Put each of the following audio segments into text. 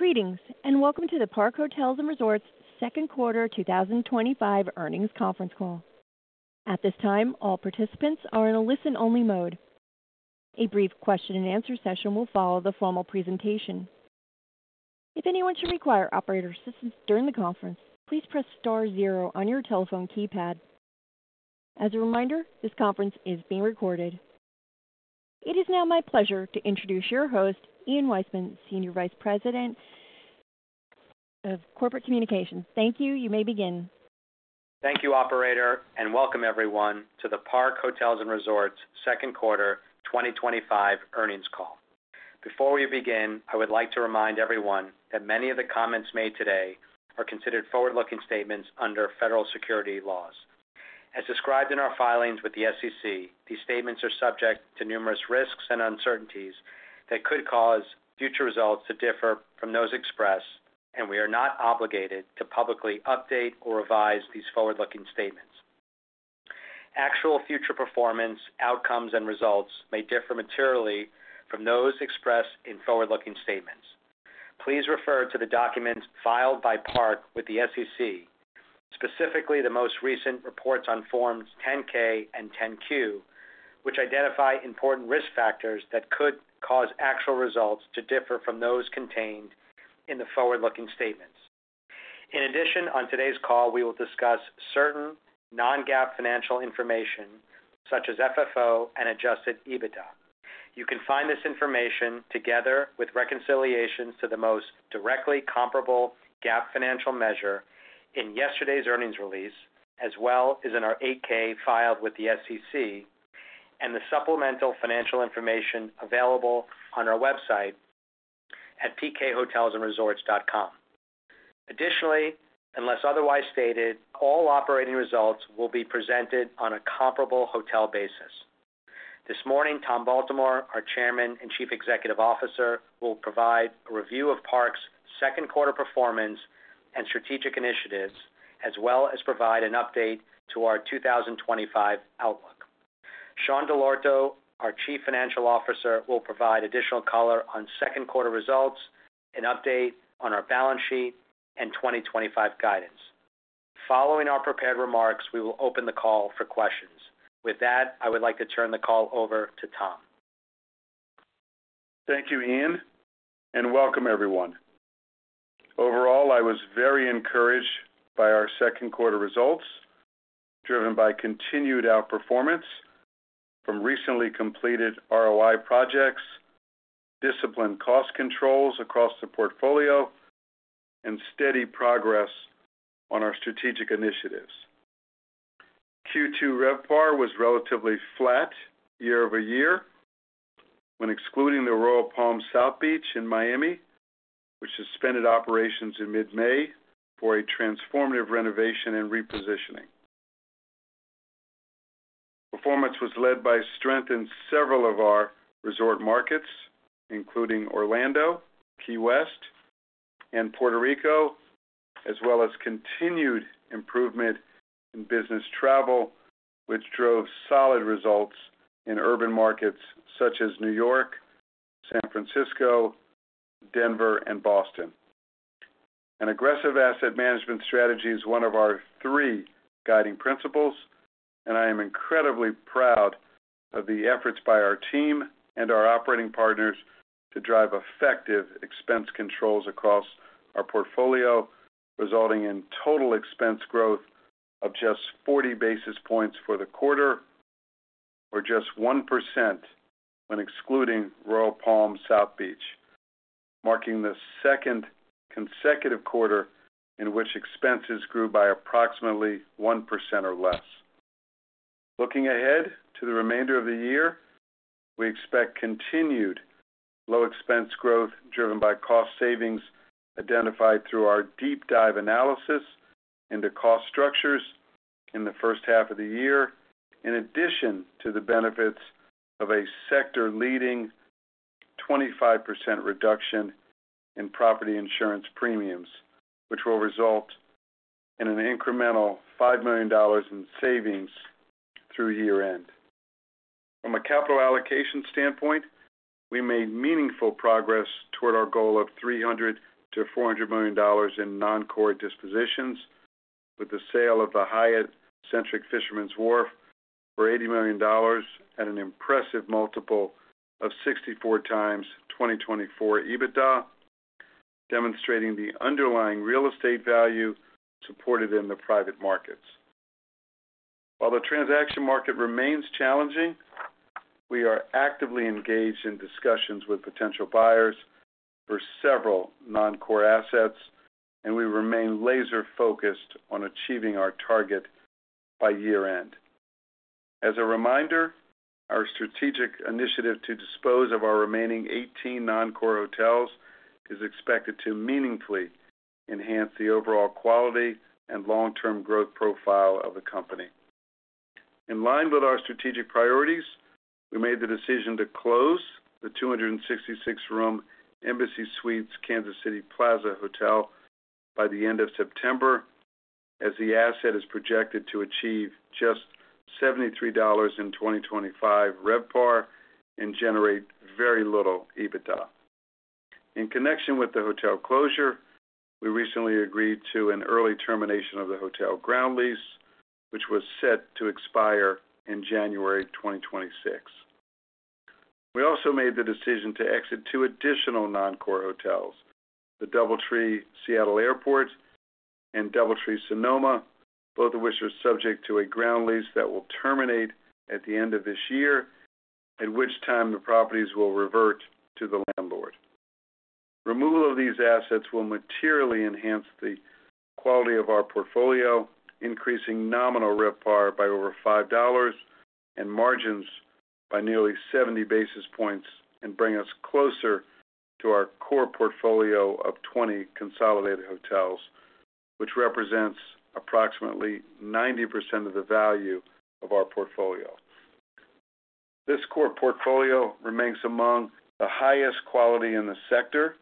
Greetings and welcome to the Park Hotels & Resorts second quarter 2025 earnings conference call. At this time, all participants are in a listen-only mode. A brief question and answer session will follow the formal presentation. If anyone should require operator assistance during the conference, please press star zero on your telephone keypad. As a reminder, this conference is being recorded. It is now my pleasure to introduce your host, Ian Weissman, Senior Vice President of Corporate Communications. Thank you. You may begin. Thank you, operator, and welcome everyone to the Park Hotels & Resorts second quarter 2025 earnings call. Before we begin, I would like to remind everyone that many of the comments made today are considered forward-looking statements under federal securities laws. As described in our filings with the SEC, these statements are subject to numerous risks and uncertainties that could cause future results to differ from those expressed, and we are not obligated to publicly update or revise these forward-looking statements. Actual future performance, outcomes, and results may differ materially from those expressed in forward-looking statements. Please refer to the documents filed by Park Hotels & Resorts Inc. with the SEC, specifically the most recent reports on Forms 10-K and 10-Q, which identify important risk factors that could cause actual results to differ from those contained in the forward-looking statements. In addition, on today's call we will discuss certain non-GAAP financial information such as FFO and Adjusted EBITDA. You can find this information, together with reconciliations to the most directly comparable GAAP financial measure, in yesterday's earnings release as well as in our 8-K filed with the SEC and the Supplemental Financial Information available on our website at pkhotelsandresorts.com. Additionally, unless otherwise stated, all operating results will be presented on a comparable hotel basis. This morning, Tom Baltimore, our Chairman and Chief Executive Officer, will provide a review of Park's second quarter performance and strategic initiatives as well as provide an update to our 2025 outlook. Sean Dell'Orto, our Chief Financial Officer, will provide additional color on second quarter results, an update on our balance sheet, and 2025 guidance. Following our prepared remarks, we will open the call for questions. With that, I would like to turn the call over to Tom. Thank you, Ian, and welcome everyone. Overall, I was very encouraged by our second quarter results, driven by continued outperformance from recently completed ROI Projects, disciplined cost controls across the portfolio, and steady progress on our strategic initiatives. Q2 RevPAR was relatively flat year-over-year when excluding the Royal Palm South Beach in Miami, which suspended operations in mid-May for a transformative renovation and repositioning. Performance was led by strength in several of our resort markets, including Orlando, Key West, and Puerto Rico, as well as continued improvement in business travel, which drove solid results in urban markets such as New York, San Francisco, Denver, and Boston. An aggressive asset management strategy is one of our three guiding principles, and I am incredibly proud of the efforts by our team and our operating partners to drive effective expense controls across our portfolio, resulting in total expense growth of just 40 basis points for the quarter, or just 1% when excluding Royal Palm South Beach, marking the second consecutive quarter in which expenses grew by approximately 1% or less. Looking ahead to the remainder of the year, we expect continued low expense growth driven by cost savings identified through our deep dive analysis into cost structures in the first half of the year, in addition to the benefits of a sector-leading 25% reduction in property insurance premiums, which will result in an incremental $5 million in savings through year end. From a capital allocation standpoint, we made meaningful progress toward our goal of $300 million-$400 million in non-core dispositions with the sale of the Hyatt Centric Fisherman's Wharf for $80 million at an impressive multiple of 64x 2024 EBITDA, demonstrating the underlying real estate value as supported in the private markets. While the transaction market remains challenging, we are actively engaged in discussions with potential buyers for several non-core assets, and we remain laser focused on achieving our target by year end. As a reminder, our strategic initiative to dispose of our remaining 18 non-core hotels is expected to meaningfully enhance the overall quality and long-term growth profile of the company. In line with our strategic priorities, we made the decision to close the 266-room Embassy Suites Kansas City Plaza Hotel by the end of September, as the asset is projected to achieve just $73 in 2025 RevPAR and generate very little EBITDA. In connection with the hotel closure, we recently agreed to an early termination of the hotel Ground Lease which was set to expire in January 2026. We also made the decision to exit 2 additional non-core hotels, the DoubleTree Seattle Airport and DoubleTree Sonoma, both of which are subject to a Ground Lease that will terminate at the end of this year, at which time the properties will revert to the landlord. Removal of these assets will materially enhance the quality of our portfolio, increasing nominal RevPAR by over $5 and margins by nearly 70 basis points, and bring us closer to our core portfolio of 20 consolidated hotels, which represents approximately 90% of the value of our portfolio. This core portfolio remains among the highest quality in the sector,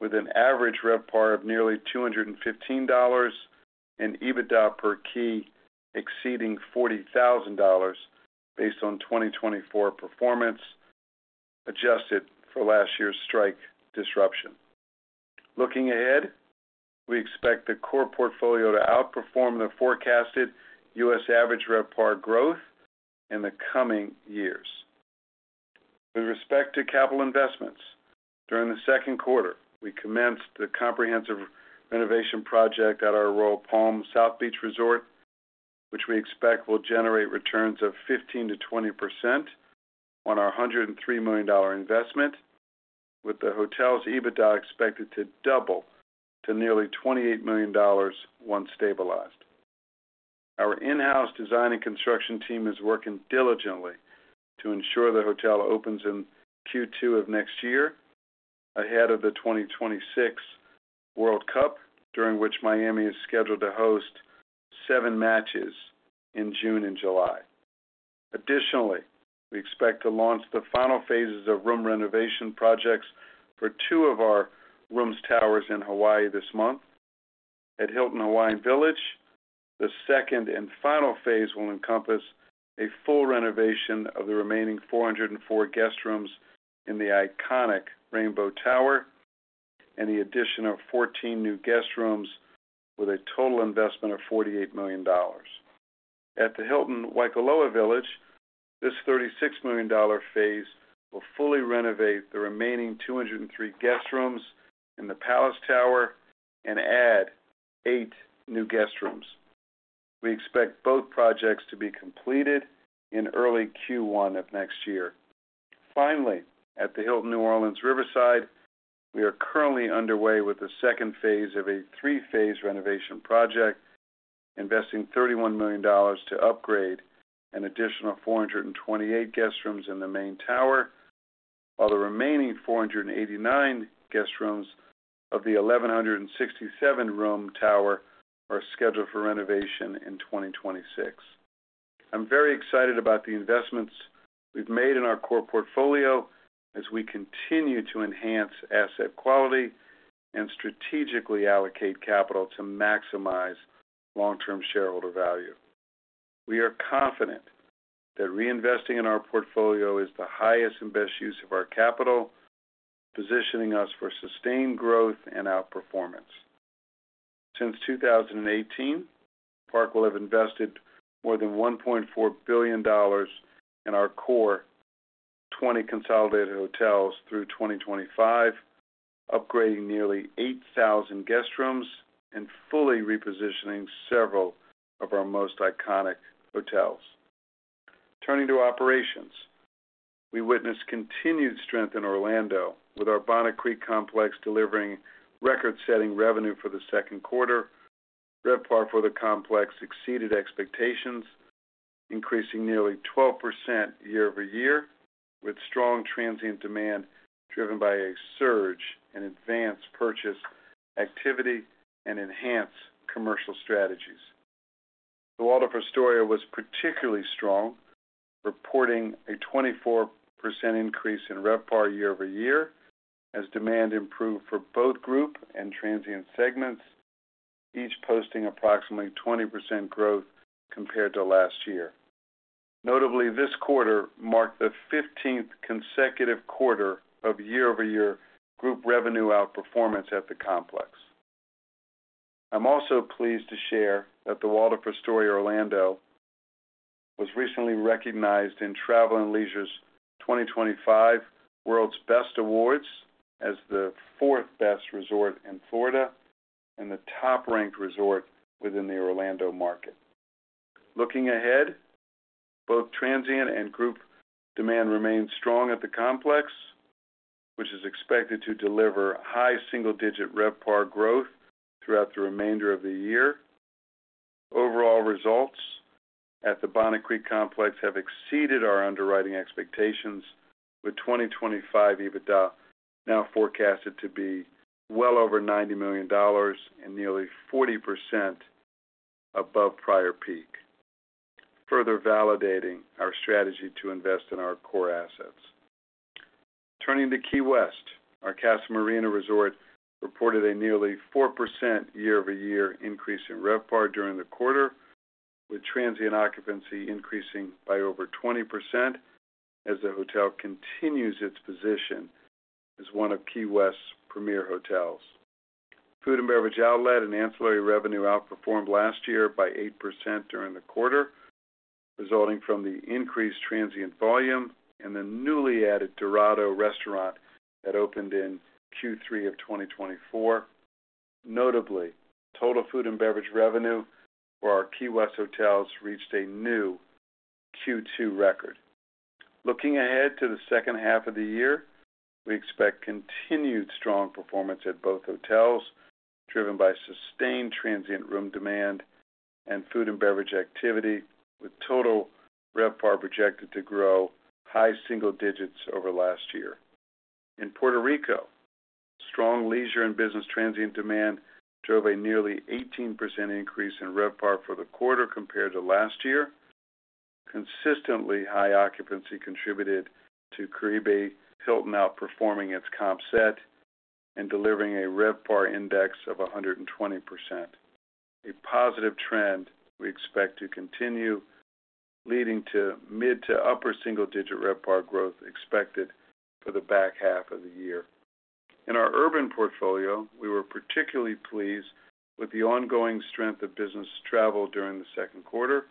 with an average RevPAR of nearly $215 and EBITDA per Key exceeding $40,000 based on 2024 performance adjusted for last year's strike disruption. Looking ahead, we expect the core portfolio to outperform the forecasted U.S. average RevPAR growth in the coming years with respect to capital investments. During the second quarter, we commenced the comprehensive renovation project at our Royal Palm South Beach Resort, which we expect will generate returns of 15%-20% on our $103 million investment. With the hotel's EBITDA expected to double to nearly $28 million once stabilized, our in-house design and construction team is working diligently to ensure the hotel opens in Q2 of next year ahead of the 2026 World Cup, during which Miami is scheduled to host seven matches in June and July. Additionally, we expect to launch the final phases of room renovation projects for two of our rooms towers in Hawaii this month. At Hilton Hawaiian Village, the second and final phase will encompass a full renovation of the remaining 404 guest rooms in the iconic Rainbow Tower and the addition of 14 new guest rooms, with a total investment of $48 million. At the Hilton Waikoloa Village, this $36 million phase will fully renovate the remaining 203 guest rooms in the Palace Tower and add eight new guest rooms. We expect both projects to be completed in early Q1 of next year. Finally, at the Hilton New Orleans Riverside, we are currently underway with the second phase of a three-phase renovation project, investing $31 million to upgrade an additional 428 guest rooms in the main tower, while the remaining 489 guest rooms of the 1,167-room tower are scheduled for renovation in 2026. I'm very excited about the investments we've made in our core portfolio as we continue to enhance asset quality and strategically allocate capital to maximize long-term shareholder value. We are confident that reinvesting in our portfolio is the highest and best use of our capital, positioning us for sustained growth and outperformance. Since 2018, Park will have invested more than $1.4 billion in our core 20 consolidated hotels through 2025, upgrading nearly 8,000 guest rooms and fully repositioning several of our most iconic hotels. Turning to operations, we witnessed continued strength in Orlando with our Bonnet Creek complex delivering record-setting revenue for the second quarter. RevPAR for the complex exceeded expectations, increasing nearly 12% year-over-year with strong transient demand driven by a surge in advance purchase activity and enhanced commercial strategies. The Waldorf Astoria was particularly strong, reporting a 24% increase in RevPAR year-over-year as demand improved for both group and transient segments, each posting approximately 20% growth compared to last year. Notably, this quarter marked the 15th consecutive quarter of year-over-year group revenue outperformance at the complex. I'm also pleased to share that the Waldorf Astoria Orlando was recently recognized in Travel + Leisure's 2025 World's Best Awards as the fourth best resort in Florida and the top-ranked resort within the Orlando market. Looking ahead, both transient and group resort demand remains strong at the complex, which is expected to deliver high single-digit RevPAR growth throughout the remainder of the year. Overall results at the Bonnet Creek complex have exceeded our underwriting expectations, with 2025 EBITDA now forecasted to be well over $90 million and nearly 40% above prior peak, further validating our strategy to invest in our core assets. Turning to Key West, our Casa Marina Resort reported a nearly 4% year-over-year increase in RevPAR during the quarter, with transient occupancy increasing by over 20% as the hotel continues its position as one of Key West's premier hotels. Food and beverage outlet and Ancillary Revenue outperformed last year by 8% during the quarter, resulting from the increased transient volume and the newly added Dorado restaurant that opened in Q3 of 2024. Notably, total food and beverage revenue for our Key West hotels reached a new Q2 record. Looking ahead to the second half of the year, we expect continued strong performance at both hotels driven by sustained transient room demand and food and beverage activity, with total RevPAR projected to grow high single digits over last year. In Puerto Rico, strong leisure and business transient demand drove a nearly 18% increase in RevPAR for the quarter compared to last year. Consistently high occupancy contributed to Caribe Hilton outperforming its Comp Set and delivering a RevPAR Index of 120%, a positive trend we expect to continue, leading to mid to upper single-digit RevPAR growth expected for the back half of the year. In our urban portfolio, we were particularly pleased with the ongoing strength of business travel during the second quarter,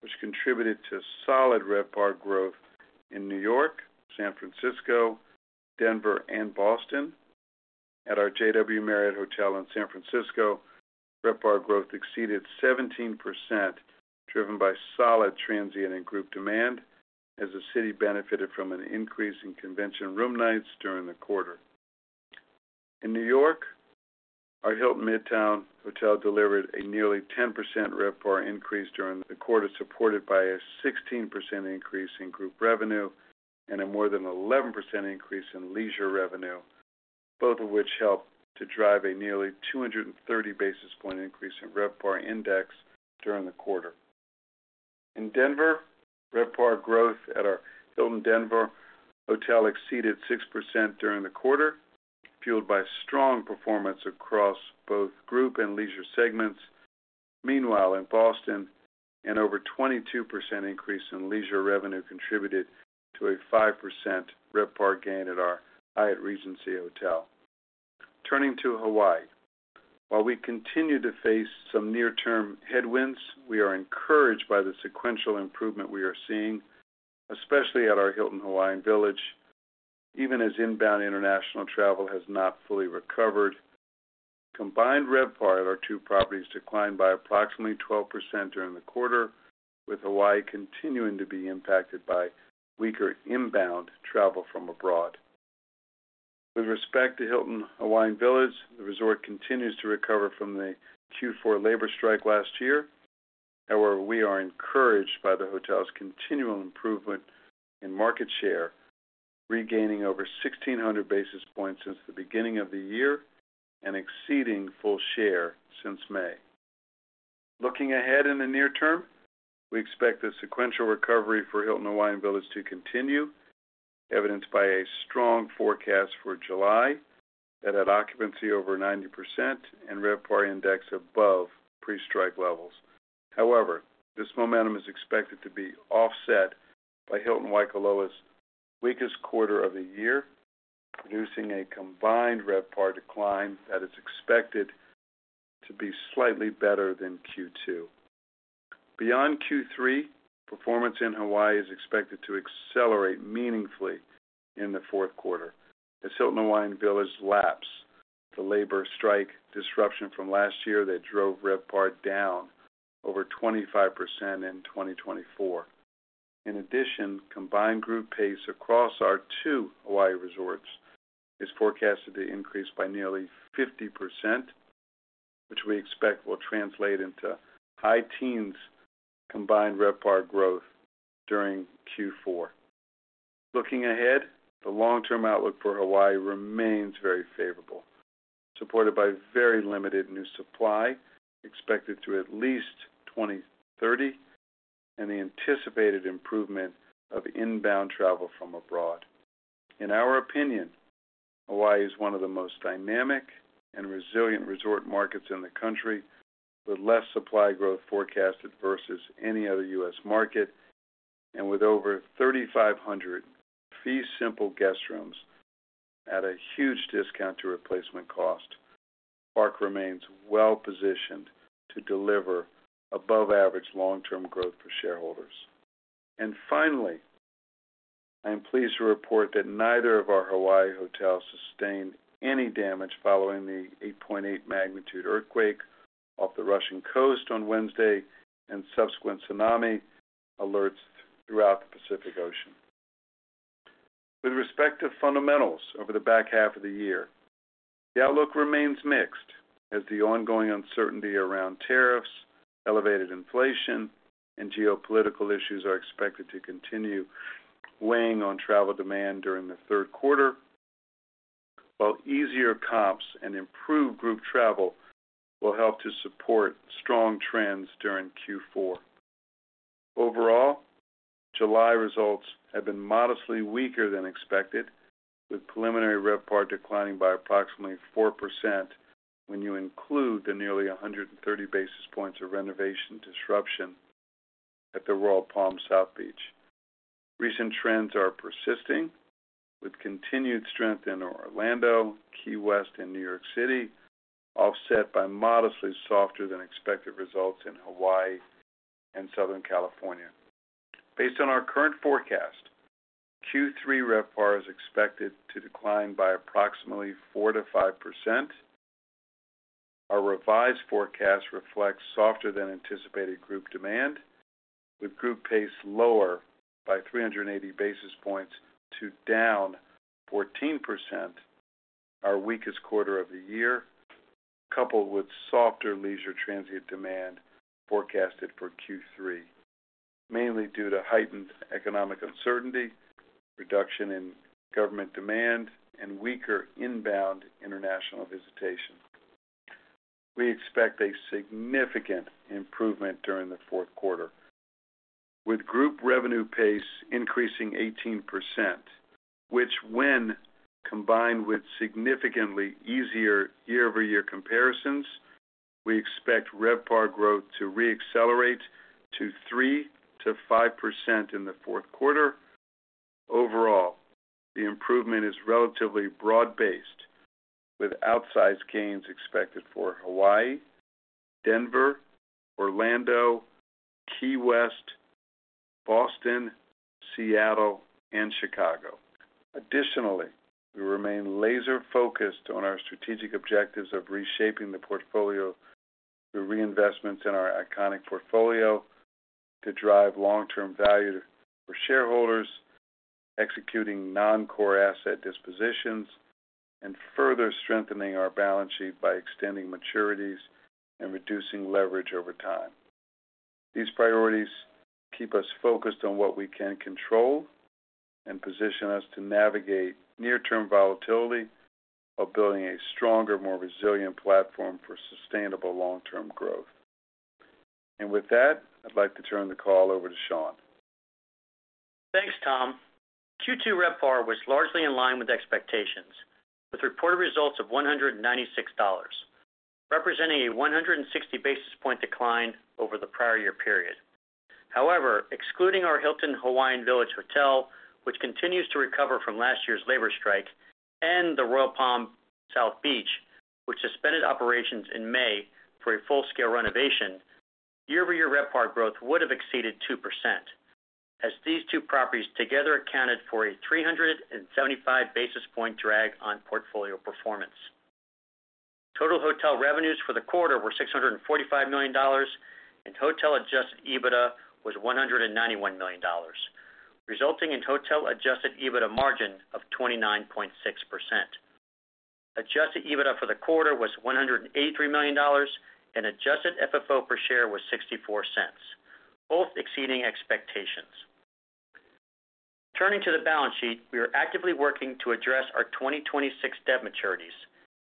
which contributed to solid RevPAR growth in New York, San Francisco, Denver, and Boston. At our JW Marriott hotel in San Francisco, RevPAR growth exceeded 17%, driven by solid transient and group demand as the city benefited from an increase in convention room nights during the quarter. In New York, our Hilton Midtown hotel delivered a nearly 10% RevPAR increase during the quarter, supported by a 16% increase in group revenue and a more than 11% increase in leisure revenue, both of which helped to drive a nearly 230 basis point increase in RevPAR Index during the quarter. In Denver, RevPAR growth at our Hilton Denver hotel exceeded 6% during the quarter, fueled by strong performance across both group and leisure segments. Meanwhile, in Boston, an over 22% increase in leisure revenue contributed to a 5% RevPAR gain at our Hyatt Regency hotel. Turning to Hawaii, while we continue to face some near term headwinds, we are encouraged by the sequential improvement we are seeing, especially at our Hilton Hawaiian Village. Even as inbound international travel has not fully recovered, combined RevPAR at our two properties declined by approximately 12% during the quarter, with Hawaii continuing to be impacted by weaker inbound travel from abroad. With respect to Hilton Hawaiian Village, the resort continues to recover from the Q4 Labor Strike last year. However, we are encouraged by the hotel's continual improvement in market share, regaining over 1,600 basis points since the beginning of the year and exceeding full share since May. Looking ahead in the near term, we expect the sequential recovery for Hilton Hawaiian Village to continue, evidenced by a strong forecast for July that had occupancy over 90% and RevPAR Index above pre-strike levels. However, this momentum is expected to be offset by Hilton Waikoloa's weakest quarter of the year, producing a combined RevPAR decline that is expected to be slightly better than Q2. Beyond Q3, performance in Hawaii is expected to accelerate meaningfully in the fourth quarter as Hilton Hawaiian Village lapsed the Labor Strike disruption from last year that drove RevPAR down over 25% in 2024. In addition, combined Group Pace across our two Hawaii resorts is forecasted to increase by nearly 50%, which we expect will translate into high teens combined RevPAR growth during Q4. Looking ahead, the long-term outlook for Hawaii remains very favorable, supported by very limited new supply expected through at least 2030 and the anticipated improvement of inbound travel from abroad. In our opinion, Hawaii is one of the most dynamic and resilient resort markets in the country, with less supply growth forecasted versus any other U.S. market and with over 3,500 fee simple guest rooms at a huge discount to replacement cost, Park remains well positioned to deliver above average long-term growth for shareholders. Finally, I am pleased to report that neither of our Hawaii hotels sustained any damage following the 8.8 magnitude earthquake off the Russian coast on Wednesday and subsequent tsunami alerts throughout the Pacific Ocean. With respect to fundamentals over the back half of the year, the outlook remains mixed as the ongoing uncertainty around tariffs, elevated inflation, and geopolitical issues are expected to continue weighing on travel demand during the third quarter. While easier comps and improved group travel will help to support strong trends during Q4. Overall, July results have been modestly weaker than expected, with preliminary RevPAR declining by approximately 4%. When you include the nearly 130 basis points of renovation disruption at the Royal Palm South Beach, recent trends are persisting with continued strength in Orlando, Key West, and New York City offset by modestly softer than expected results in Hawaii and Southern California. Based on our current forecast, Q3 RevPAR is expected to decline by approximately 4%-5%. Our revised forecast reflects softer than anticipated group demand with Group Pace lower by 380 basis points to down 14%, our weakest quarter of the year. Coupled with softer leisure transient demand forecasted for Q3 mainly due to heightened economic uncertainty, reduction in government demand, and weaker inbound international visitation, we expect a significant improvement during the fourth quarter with Group Revenue Pace increasing 18%, which, when combined with significantly easier year-over-year comparisons, we expect RevPAR growth to reaccelerate to 3%-5% in the fourth quarter. Overall, the improvement is relatively broad-based with outsized gains expected for Hawaii, Denver, Orlando, Key West, Boston, Seattle, and Chicago. Additionally, we remain laser focused on our strategic objectives of reshaping the portfolio through reinvestments in our iconic portfolio to drive long-term value for shareholders, executing non-core asset dispositions, and further strengthening our balance sheet by extending maturities and reducing leverage over time. These priorities keep us focused on what we can control and position us to navigate near-term volatility while building a stronger, more resilient platform for sustainable long-term growth and with that I'd like to turn the call over to Sean. Thanks Tom. Q2 RevPAR was largely in line with expectations with reported results of $196, representing a 160 basis point decline over the prior year period. However, excluding our Hilton Hawaiian Village Hotel, which continues to recover from last year's Labor Strike, and the Royal Palm South Beach, which suspended operations in May for a full-scale renovation, year over year RevPAR growth would have exceeded 2% as these two properties together accounted for a 375 basis point drag on portfolio performance. Total hotel revenues for the quarter were $645 million, and hotel Adjusted EBITDA was $191 million, resulting in hotel Adjusted EBITDA margin of 29.6%. Adjusted EBITDA for the quarter was $183 million, and Adjusted FFO per share was $0.64, both exceeding expectations. Turning to the balance sheet, we are actively working to address our 2026 debt maturities,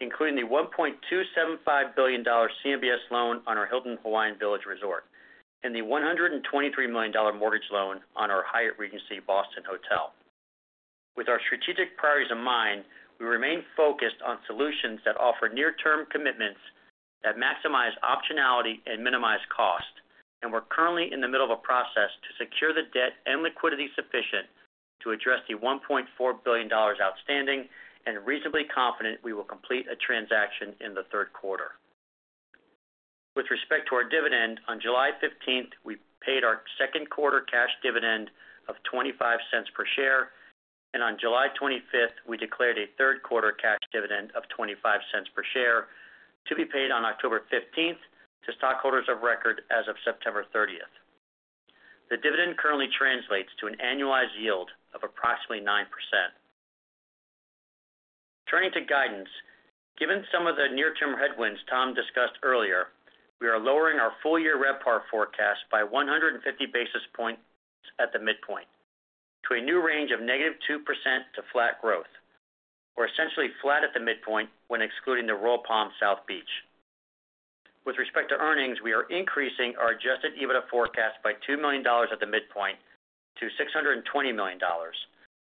including the $1.275 billion CMBS loan on our Hilton Hawaiian Village Resort and the $123 million mortgage loan on our Hyatt Regency Boston hotel. With our strategic priorities in mind, we remain focused on solutions that offer near-term commitments that maximize optionality and minimize cost, and we're currently in the middle of a process to secure the debt and liquidity sufficient to address the $1.4 billion outstanding and reasonably confident we will complete a transaction in the third quarter. With respect to our dividend, on July 15th we paid our second quarter cash dividend of $0.25/share, and on July 25th we declared a third quarter cash dividend of $0.25/share to be paid on October 15th to stockholders of record as of September 30th. The dividend currently translates to an annualized yield of approximately 9%. Turning to guidance, given some of the near-term headwinds Tom discussed earlier, we are lowering our full year RevPAR forecast by 150 basis points at the midpoint to a new range of -2% to flat growth, or essentially flat at the midpoint when excluding the Royal Palm South Beach. With respect to earnings, we are increasing our Adjusted EBITDA forecast by $2 million at the midpoint to $620 million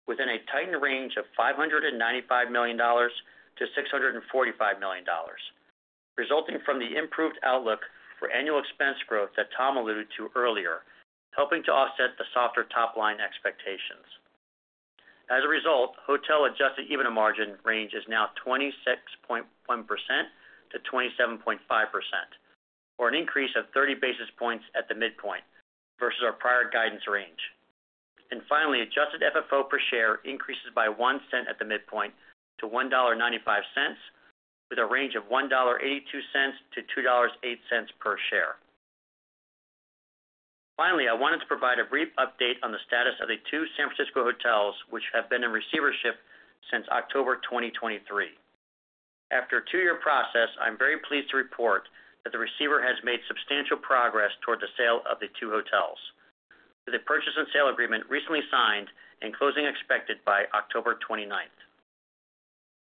within a tightened range of $595 million-$645 million, resulting from the improved outlook for annual expense growth that Tom alluded to earlier, helping to offset the softer top line expectations. As a result, hotel Adjusted EBITDA margin range is now 26.1%-27.5%, or an increase of 30 basis points at the midpoint vs our prior guidance range. Adjusted FFO per share increases by $0.01 at the midpoint to $1.95 with a range of $1.82-$2.08/share. Finally, I wanted to provide a brief update on the status of the two San Francisco hotels which have been in receivership since October 2023 after a two year process. I'm very pleased to report that the receiver has made substantial progress toward the sale of the two hotels with a purchase and sale agreement recently signed and closing expected by October 29.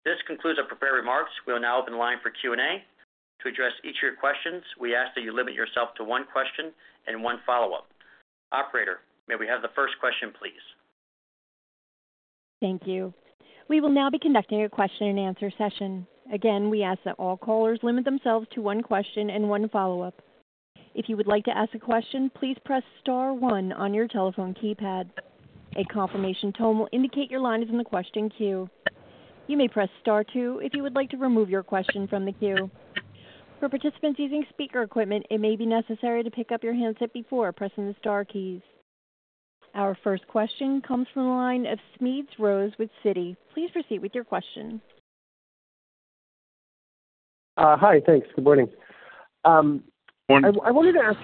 This concludes our prepared remarks. We will now open the line for Q and A to address each of your questions. We ask that you limit yourself to one question and one follow up. Operator, may we have the first question please? Thank you. We will now be conducting a question and answer session. Again, we ask that all callers limit themselves to one question and one follow-up. If you would like to ask a question, please press star one on your telephone keypad. A confirmation tone will indicate your line is in the question queue. You may press star two if you would like to remove your question from the queue. For participants using speaker equipment, it may be necessary to pick up your handset before pressing the star keys. Our first question comes from the line of Smedes Rose with Citi. Please proceed with your question. Hi. Thanks. Good morning. I wanted to ask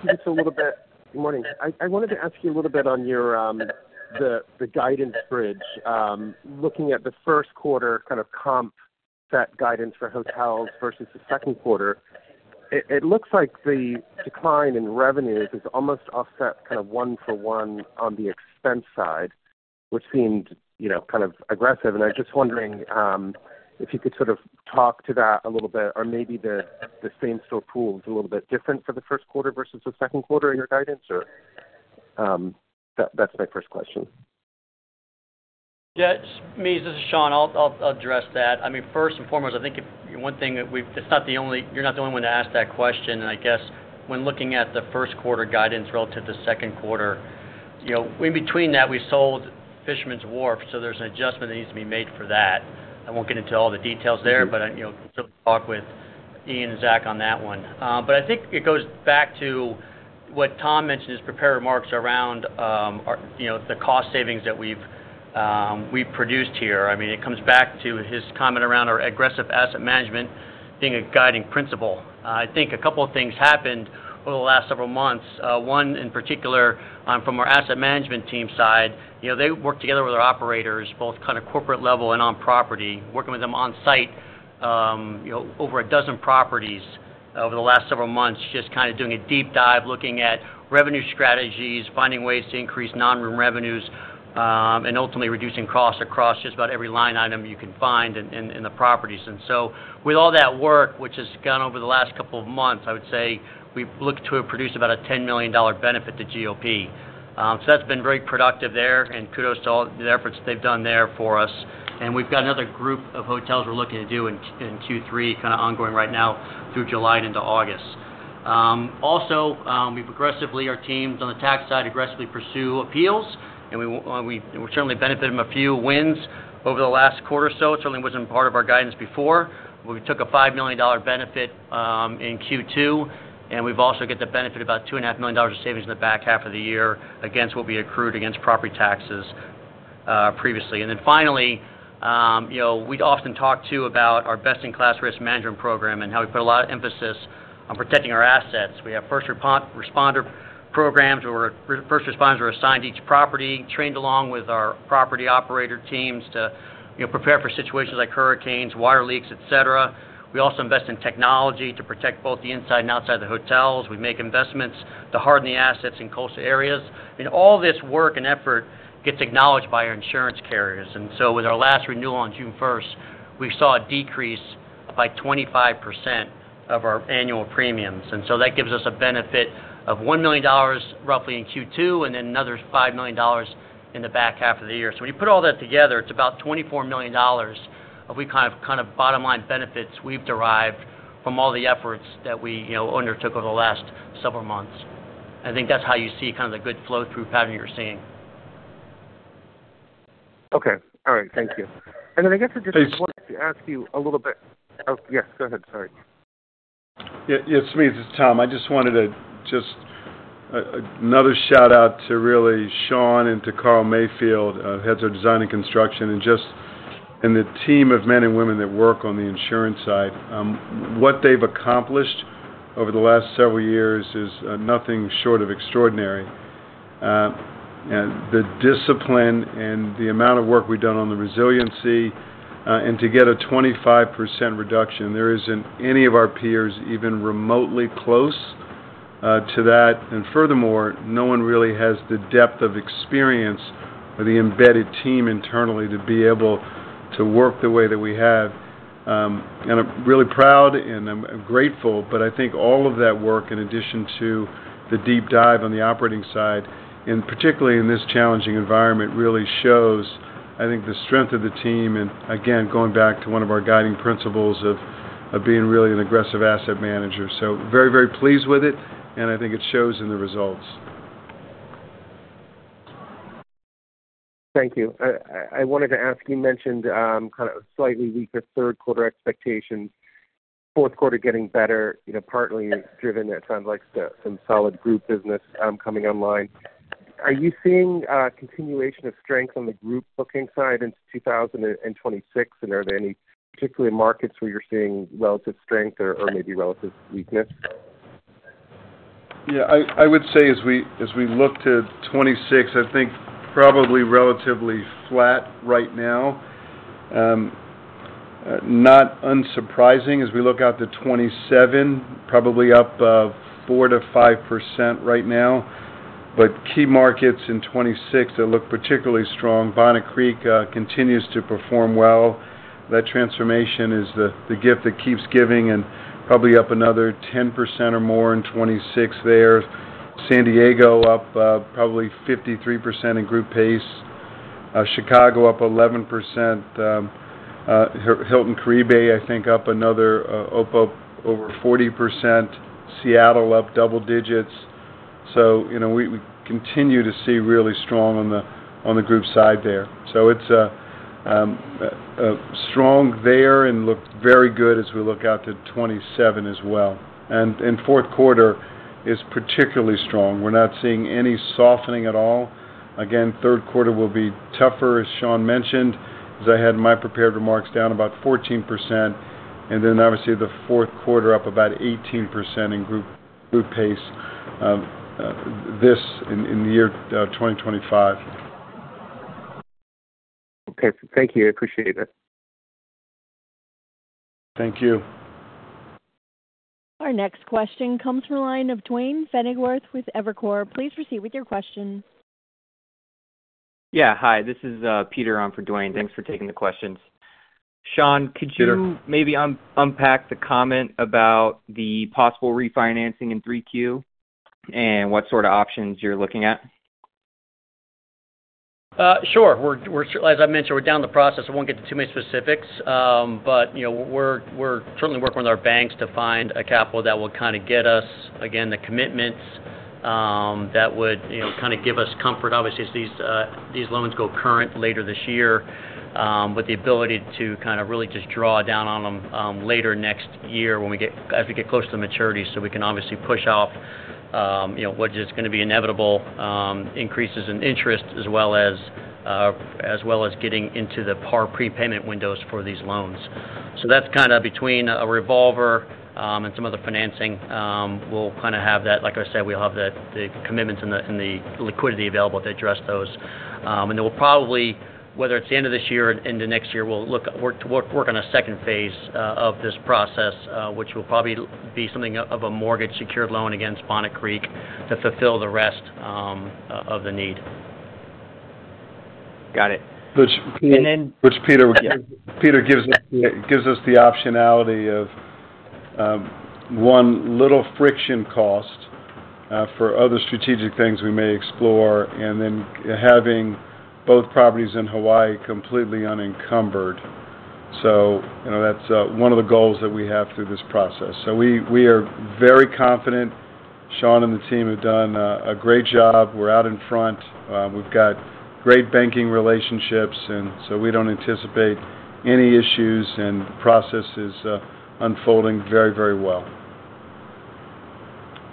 you a little bit on your guidance bridge. Looking at the first quarter kind of Comp Set guidance for hotels vs the second quarter, it looks like the decline in revenues is almost offset kind of one for one on the expense side. Which seemed kind of aggressive. I was just wondering if you could sort of talk to that a little bit, or maybe the same store pool is a little bit different for the first quarter versus the second quarter. In your guidance. That's my first question. Yes, Smedes, this is Sean. I'll address that. First and foremost, I think one thing, it's not the only, you're not the only one to ask that question. I guess when looking at the first quarter guidance relative to second quarter, in between that we sold Fisherman's Wharf, so there's an adjustment that needs to be made for that. I won't get into all the details there, but talk with Ian and Zach on that one. I think it goes back to what Tom mentioned in his prepared remarks around the cost savings that we've produced here. It comes back to his comment around our aggressive asset management being a guiding principle. I think a couple of things happened over the last several months, one in particular from our asset management team side. They work together with our operators, both at the corporate level and on property, working with them on site, over a dozen properties over the last several months, just doing a deep dive, looking at revenue strategies, finding ways to increase non-room revenues, and ultimately reducing costs across just about every line item you can find in the properties. With all that work which has gone over the last couple of months, I would say we look to produce about a $10 million benefit to GOP. That's been very productive there and kudos to all the efforts they've done there for us. We've got another group of hotels we're looking to do in Q3, ongoing right now through July and into August. Also, our teams on the tax side are aggressively pursuing appeals. We certainly benefited from a few wins over the last quarter or so. It certainly wasn't part of our guidance before; we took a $5 million benefit in Q2, and we've also got the benefit, about $2.5 million of savings in the back half of the year against what we accrued against property taxes previously. Finally, we'd often talk too about our best-in-class risk management program and how we put a lot of emphasis on protecting our assets, which includes first responder programs where first responders are assigned to each property, trained along with our property operator teams to prepare for situations like hurricanes, water leaks, etc. We also invest in technology to protect both the inside and outside of the hotels. We make investments to harden the assets in coastal areas. All this work and effort gets acknowledged by our insurance carriers. With our last renewal on June 1, we saw a decrease by 25% of our annual premiums. That gives us a benefit of $1 million roughly in Q2 and then another $5 million in the back half of the year. When you put all that together, it's about $24 million of kind of bottom line benefits we've derived from all the efforts that we undertook over the last several months. I think that's how you see kind of the good flow through pattern you're seeing. Okay, all right, thank you. I just wanted to ask you a little bit. Yes, go ahead. Sorry, yes, this is Tom. I just wanted to give another shout out to Sean and to Carl Mayfield, Head of Design and Construction, and the team of men and women that work on the insurance side. What they've accomplished over the last several years is nothing short of extraordinary. The discipline and the amount of work we've done on the resiliency and to get a 25% reduction, there isn't any of our peers even remotely close to that. Furthermore, no one really has the depth of experience or the embedded team internally to be able to work the way that we have. I'm really proud and I'm grateful. I think all of that work, in addition to the deep dive on the operating side and particularly in this challenging environment, really shows the strength of the team. Going back to one of our guiding principles of being really an aggressive asset manager, I'm very, very pleased with it. I think it shows in the results. Thank you. I wanted to ask, you mentioned slightly weaker third quarter expectations, with fourth quarter getting better, partly driven. It sounds like some solid group business coming online. Are you seeing continuation of strength on the group booking side into 2026? Are there any particular markets where you're seeing relative strength or maybe relative weakness? Yeah, I would say as we look to 2026, I think probably relatively flat. Right now. Not unsurprising as we look out to 2027, probably up 4%-5% right now. Key markets in 2026 that look particularly strong: Bonnet Creek continues to perform well. That transformation is the gift that keeps giving and probably up another 10% or more in 2026 there. San Diego up probably 53% in Group Pace. Chicago up 11%. Hilton Caribbean, I think up another over 40%. Seattle up double-digits. We continue to see really strong on the group side there. It is strong there and looks very good as we look out to 2027 as well. Fourth quarter is particularly strong. We're not seeing any softening at all. Again, third quarter will be tougher, as Sean mentioned, as I had in my prepared remarks, down about 14% and then obviously the fourth quarter up about 18% in Group Pace in the year 2025. Okay, thank you. I appreciate it. Thank you. Our next question comes from the line of Duane Pfennigwerth with Evercore ISI. Please proceed with your question. Yeah, hi, this is Peter on for Duane. Thanks for taking the questions. Sean, could you maybe unpack the comment about the possible refinancing in 3Q and what sort of options you're looking at? Sure. As I mentioned, we're down the process. I won't get to too many specifics, but we're certainly working with our banks to find a capital that will kind of get us again the commitments that would kind of give us comfort, obviously, as these loans go current later this year, but the ability to kind of really just draw down on them later next year as we get close to maturity. We can obviously push off what is going to be inevitable increases in interest as well as getting into the par prepayment windows for these loans. That's kind of between a revolver and some other financing. We'll have that. Like I said, we'll have the commitments and the liquidity available to address those. We'll probably, whether it's the end of this year or into next year, look to work on a second phase of this process which will probably be something of a mortgage secured loan against Bonnet Creek to fulfill the rest of the need. Got it. Which, Peter, gives us the optionality of one little friction cost for other strategic things we may explore, and then having both properties in Hawaii completely unencumbered. That is one of the goals that we have through this process. We are very confident. Sean and the team have done a great job. We are out in front, we've got great banking relationships, and we don't anticipate any issues. The process is unfolding very, very well.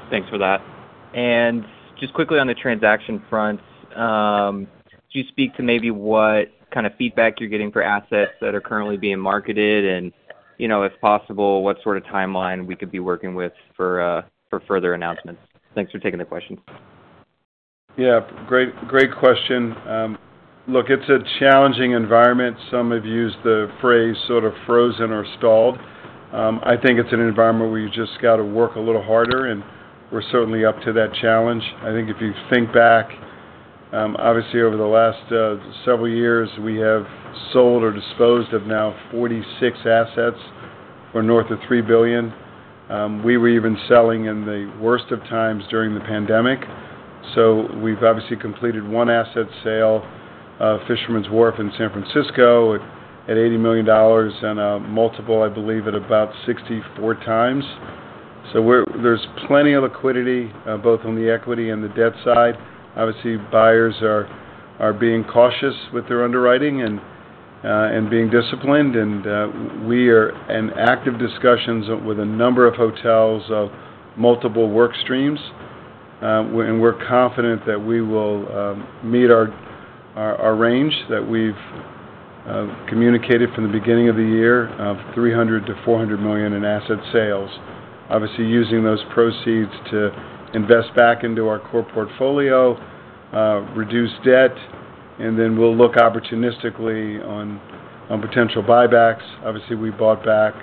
Thanks for that. Quickly on the transaction front, could you speak to maybe what kind of feedback you're getting for assets that are currently being marketed, and if possible, what sort of timeline we could be working with for further announcements? Thanks for taking the question. Yeah, great question. Look, it's a challenging environment. Some have used the phrase sort of frozen or stalled. I think it's an environment where you just got to work a little harder and certainly up to that challenge. I think if you think back, obviously over the last several years we have sold or disposed of now 46 assets for north of $3 billion. We were even selling in the worst of times during the pandemic. We've obviously completed one asset sale, Fisherman's Wharf in San Francisco at $80 million and multiple, I believe, at about 64x. There's plenty of liquidity both on the equity and the debt side. Obviously buyers are being cautious with their underwriting and being disciplined. We are in active discussions with a number of hotels, multiple work streams and we're confident that we will meet our range that we've communicated from the beginning of the year of $300 million-$400 million in asset sales, obviously using those proceeds to invest back into our core portfolio, reduce debt and then we'll look opportunistically on potential buybacks. We bought back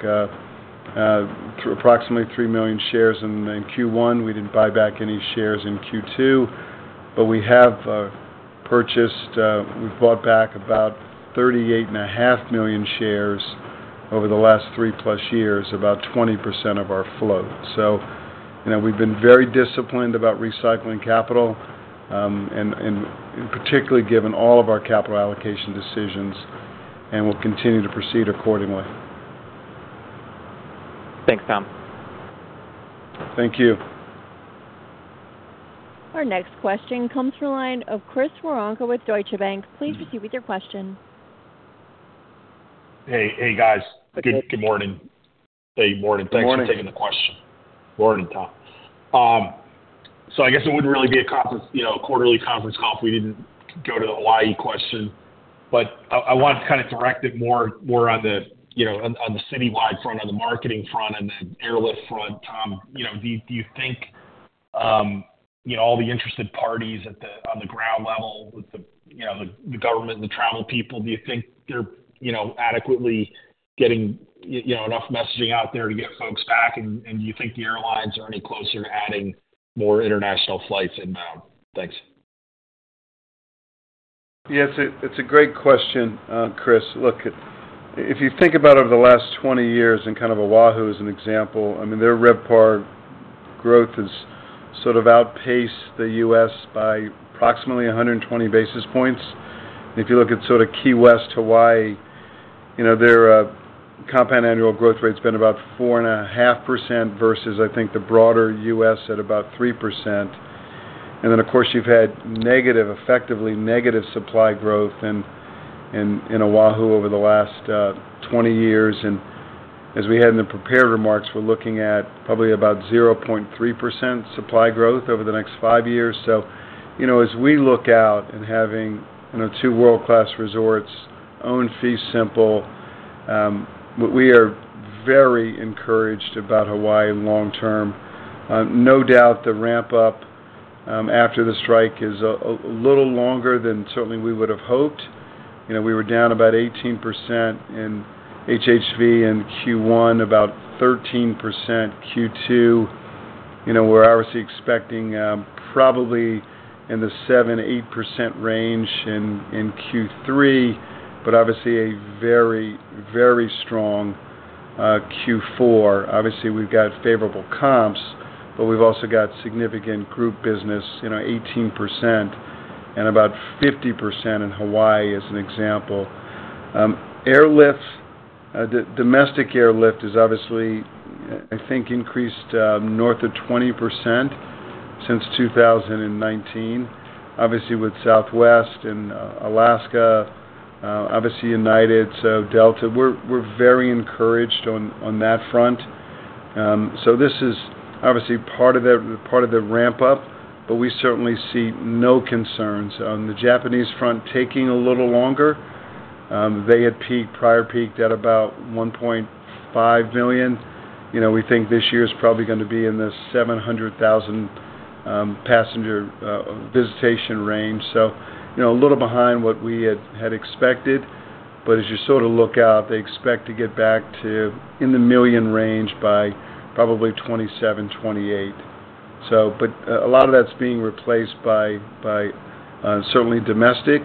approximately 3 million shares in Q1. We didn't buy back any shares in Q2, but we have purchased, we've bought back about 38.5 million shares over the last 3+ years, about 20% of our float. We've been very disciplined about recycling capital and particularly given all of our capital allocation decisions and we'll continue to proceed accordingly. Thanks, Tom. Thank you. Our next question comes from the line of Chris Woronka with Deutsche Bank. Please proceed with your question. Hey. Hey guys. Good morning. Hey. Morning. Thanks for taking the question. Morning, Tom. I guess it wouldn't really be. A quarterly conference call wouldn't be complete if we didn't go to the Hawaii question. I wanted to direct it more on the citywide front, on the marketing front, and the airlift front. Tom, do you think all the interested parties at the ground level, with the government and the travel people, are adequately getting enough messaging out there to get folks back? Do you think the airlines are any closer to adding more international flights inbound? Thanks. Yes, it's a great question, Chris. Look, if you think about over the. Last 20 years and kind of Oahu as an example, I mean their RevPAR growth has sort of outpaced the U.S. by approximately 120 basis points. If you look at sort of Key West, Hawaii, you know, their compound annual growth rate has been about 4.5% vs I think the broader U.S. at about 3%. Of course, you've had negative, effectively negative supply growth in Oahu over the last 20 years. As we had in the prepared remarks, we're looking at probably about 0.3% supply growth over the next five years. You know, as we look out and having two world-class resorts owned fee simple, we are very encouraged about Hawaii long term. No doubt the ramp up after the strike is a little longer than certainly. We would have hoped. You know, we were down about 18% in HHV in Q1, about 13% in Q2. We're obviously expecting probably in the 7%-8% range in Q3, but obviously a very, very strong Q4. We've got favorable comps, but we've also got significant group business, 18% and about 50% in Hawaii as an example. Domestic airlift is obviously, I think, increased north of 20% since 2019, with Southwest and Alaska, and United, Delta, we're very encouraged on that front. This is part of the ramp up, but we certainly see no concerns on the Japanese front taking a little longer. They had peaked prior, peaked at about 1.5 million. We think this year is probably going to be in this 700,000 passenger visitation range, so a little behind what we had expected. As you sort of look out, they expect to get back to in the million range by probably 2027, 2028. A lot of that's being replaced by domestic,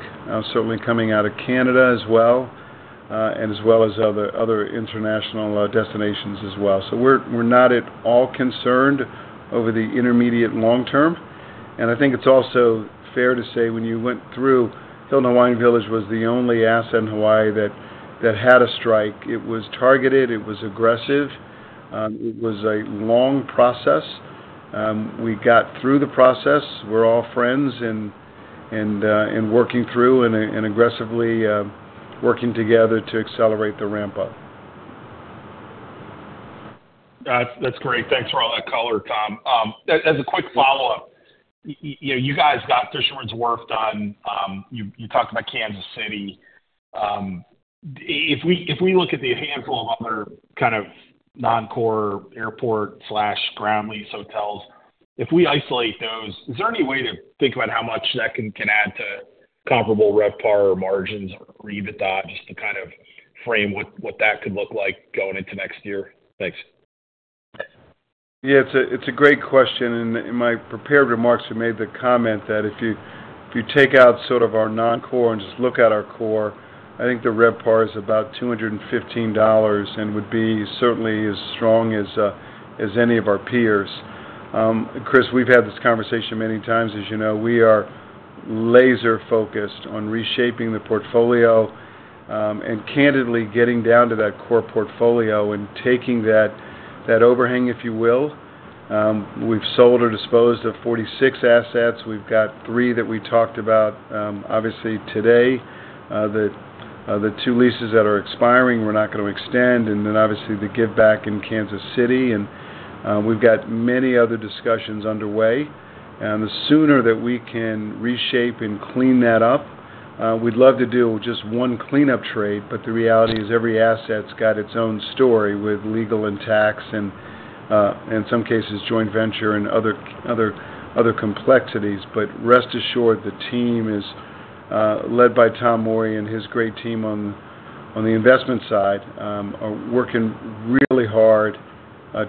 certainly coming out of Canada as well, and as well as other international destinations. We're not at all concerned over the intermediate long term. I think it's also fair to say when you went through, Hilton Hawaiian Village was the only asset in Hawaii that had a strike. It was targeted, it was aggressive, it was a long process. We got through the process. We're all friends and working through and aggressively working together to accelerate the ramp up. That's great. Thanks for all that color, Tom. As a quick follow-up, you guys got Fisherman's Wharf done. You talked about Kansas City. If we look at the handful of other kind of non-core airport Ground Lease hotels, if we isolate those, is there any way to think about how much that can add to comparable RevPAR margins or EBITDA just to kind of frame what that could look like going into next year. Thanks. Yeah, it's a great question. In my prepared remarks I made the comment that if you take out sort of our non-core and just look at our core, I think the RevPAR is about $215 and would be certainly as strong as any of our peers. Chris, we've had this conversation many times. As you know, we are laser focused on reshaping the portfolio and candidly getting down to that core portfolio and taking that overhang, if you will. We've sold or disposed of 46 assets. We've got three that we talked about. Obviously today, the two leases that are expiring we're not going to extend and then obviously the give back in Kansas City and we've got many other discussions underway. The sooner that we can reshape and clean that up, we'd love to deal with just one cleanup trade. The reality is every asset's got its own story with legal and tax and in some cases joint venture and other complexities. Rest assured, the team is led by Tom Morey and his great team on the investment side are working really hard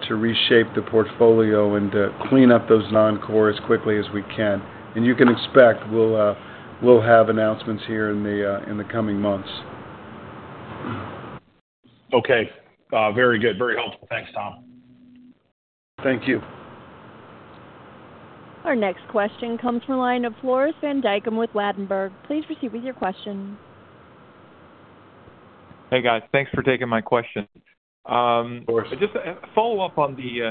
to reshape the portfolio and clean up those non-core as quickly as we can. You can expect we'll have announcements here in the coming months. Okay, very good, very helpful. Thanks, Tom. Thank you. Our next question comes from the line of Floris van Dijkum with Ladenburg. Please proceed with your question. Hey guys, thanks for taking my question. Just follow up on the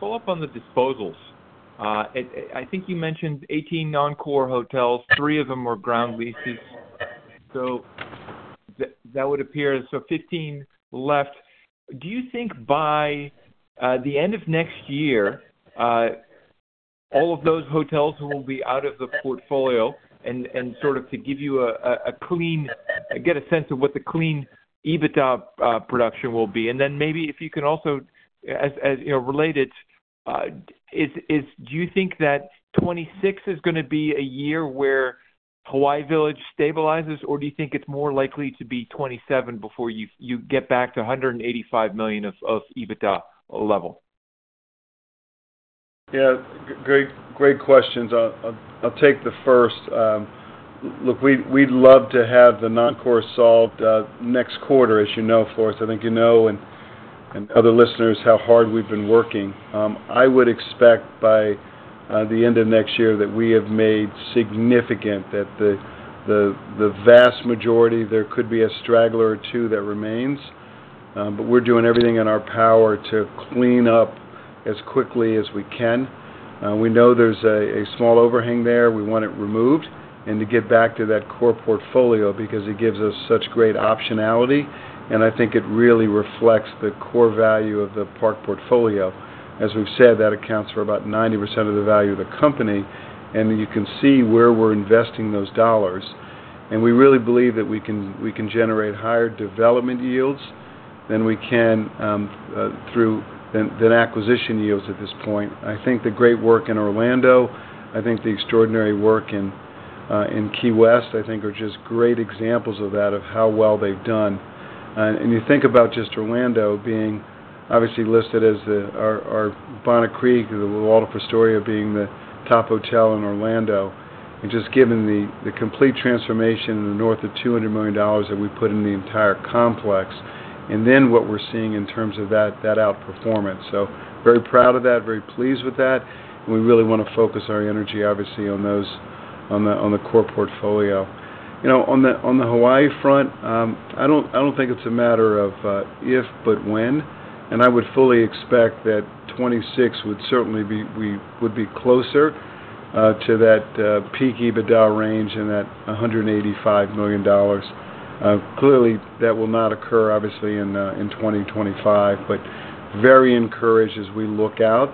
follow up on the disposals. I think you mentioned 18 non-core hotels. Three of them were Ground Leases. That would appear so. 15 left. Do you think by the end of next year? All of those hotels will be out of the portfolio and sold. To give you a clean, get a sense of what the clean EBITDA production will be and then maybe if. You can also relate it. Do you think that 2026 is going to be a year where Hawaiian Village. Stabilizes, or do you think it's more? Likely to be 27 before you get. Back to $185 million of EBITDA level? Yeah, great, great questions. I'll take the first look. We'd love to have the non-core solved next quarter. As you know, for us, I think you know and other listeners how hard we've been working. I would expect by the end of next year that we have made significant progress, that the vast majority, there could be a straggler or two that remains. We're doing everything in our power to clean up as quickly as we can. We know there's a small overhang there. We want it removed and to get back to that core portfolio because it gives us such great optionality. I think it really reflects the core value of the Park portfolio. As we've said, that accounts for about 90% of the value of the company. You can see where we're investing those dollars, and we really believe that we can generate higher development yields than we can through acquisition yields at this point. I think the great work in Orlando, the extraordinary work in Key West, are just great examples of that, of how well they've done. You think about just Orlando being obviously listed as our Bonnet Creek with Waldorf Astoria being the top hotel in Orlando and just given the complete transformation in the north of $200 million that we put in the entire complex and then what we're seeing in terms of that outperformance. Very proud of that. Very pleased with that. We really want to focus our energy obviously on the core portfolio. On the Hawaii front, I don't think it's a matter of if but when. I would fully expect that 2026 would certainly be, we would be closer to that peak EBITDA range and that $185 million. Clearly, that will not occur in 2025, but very encouraged as we look out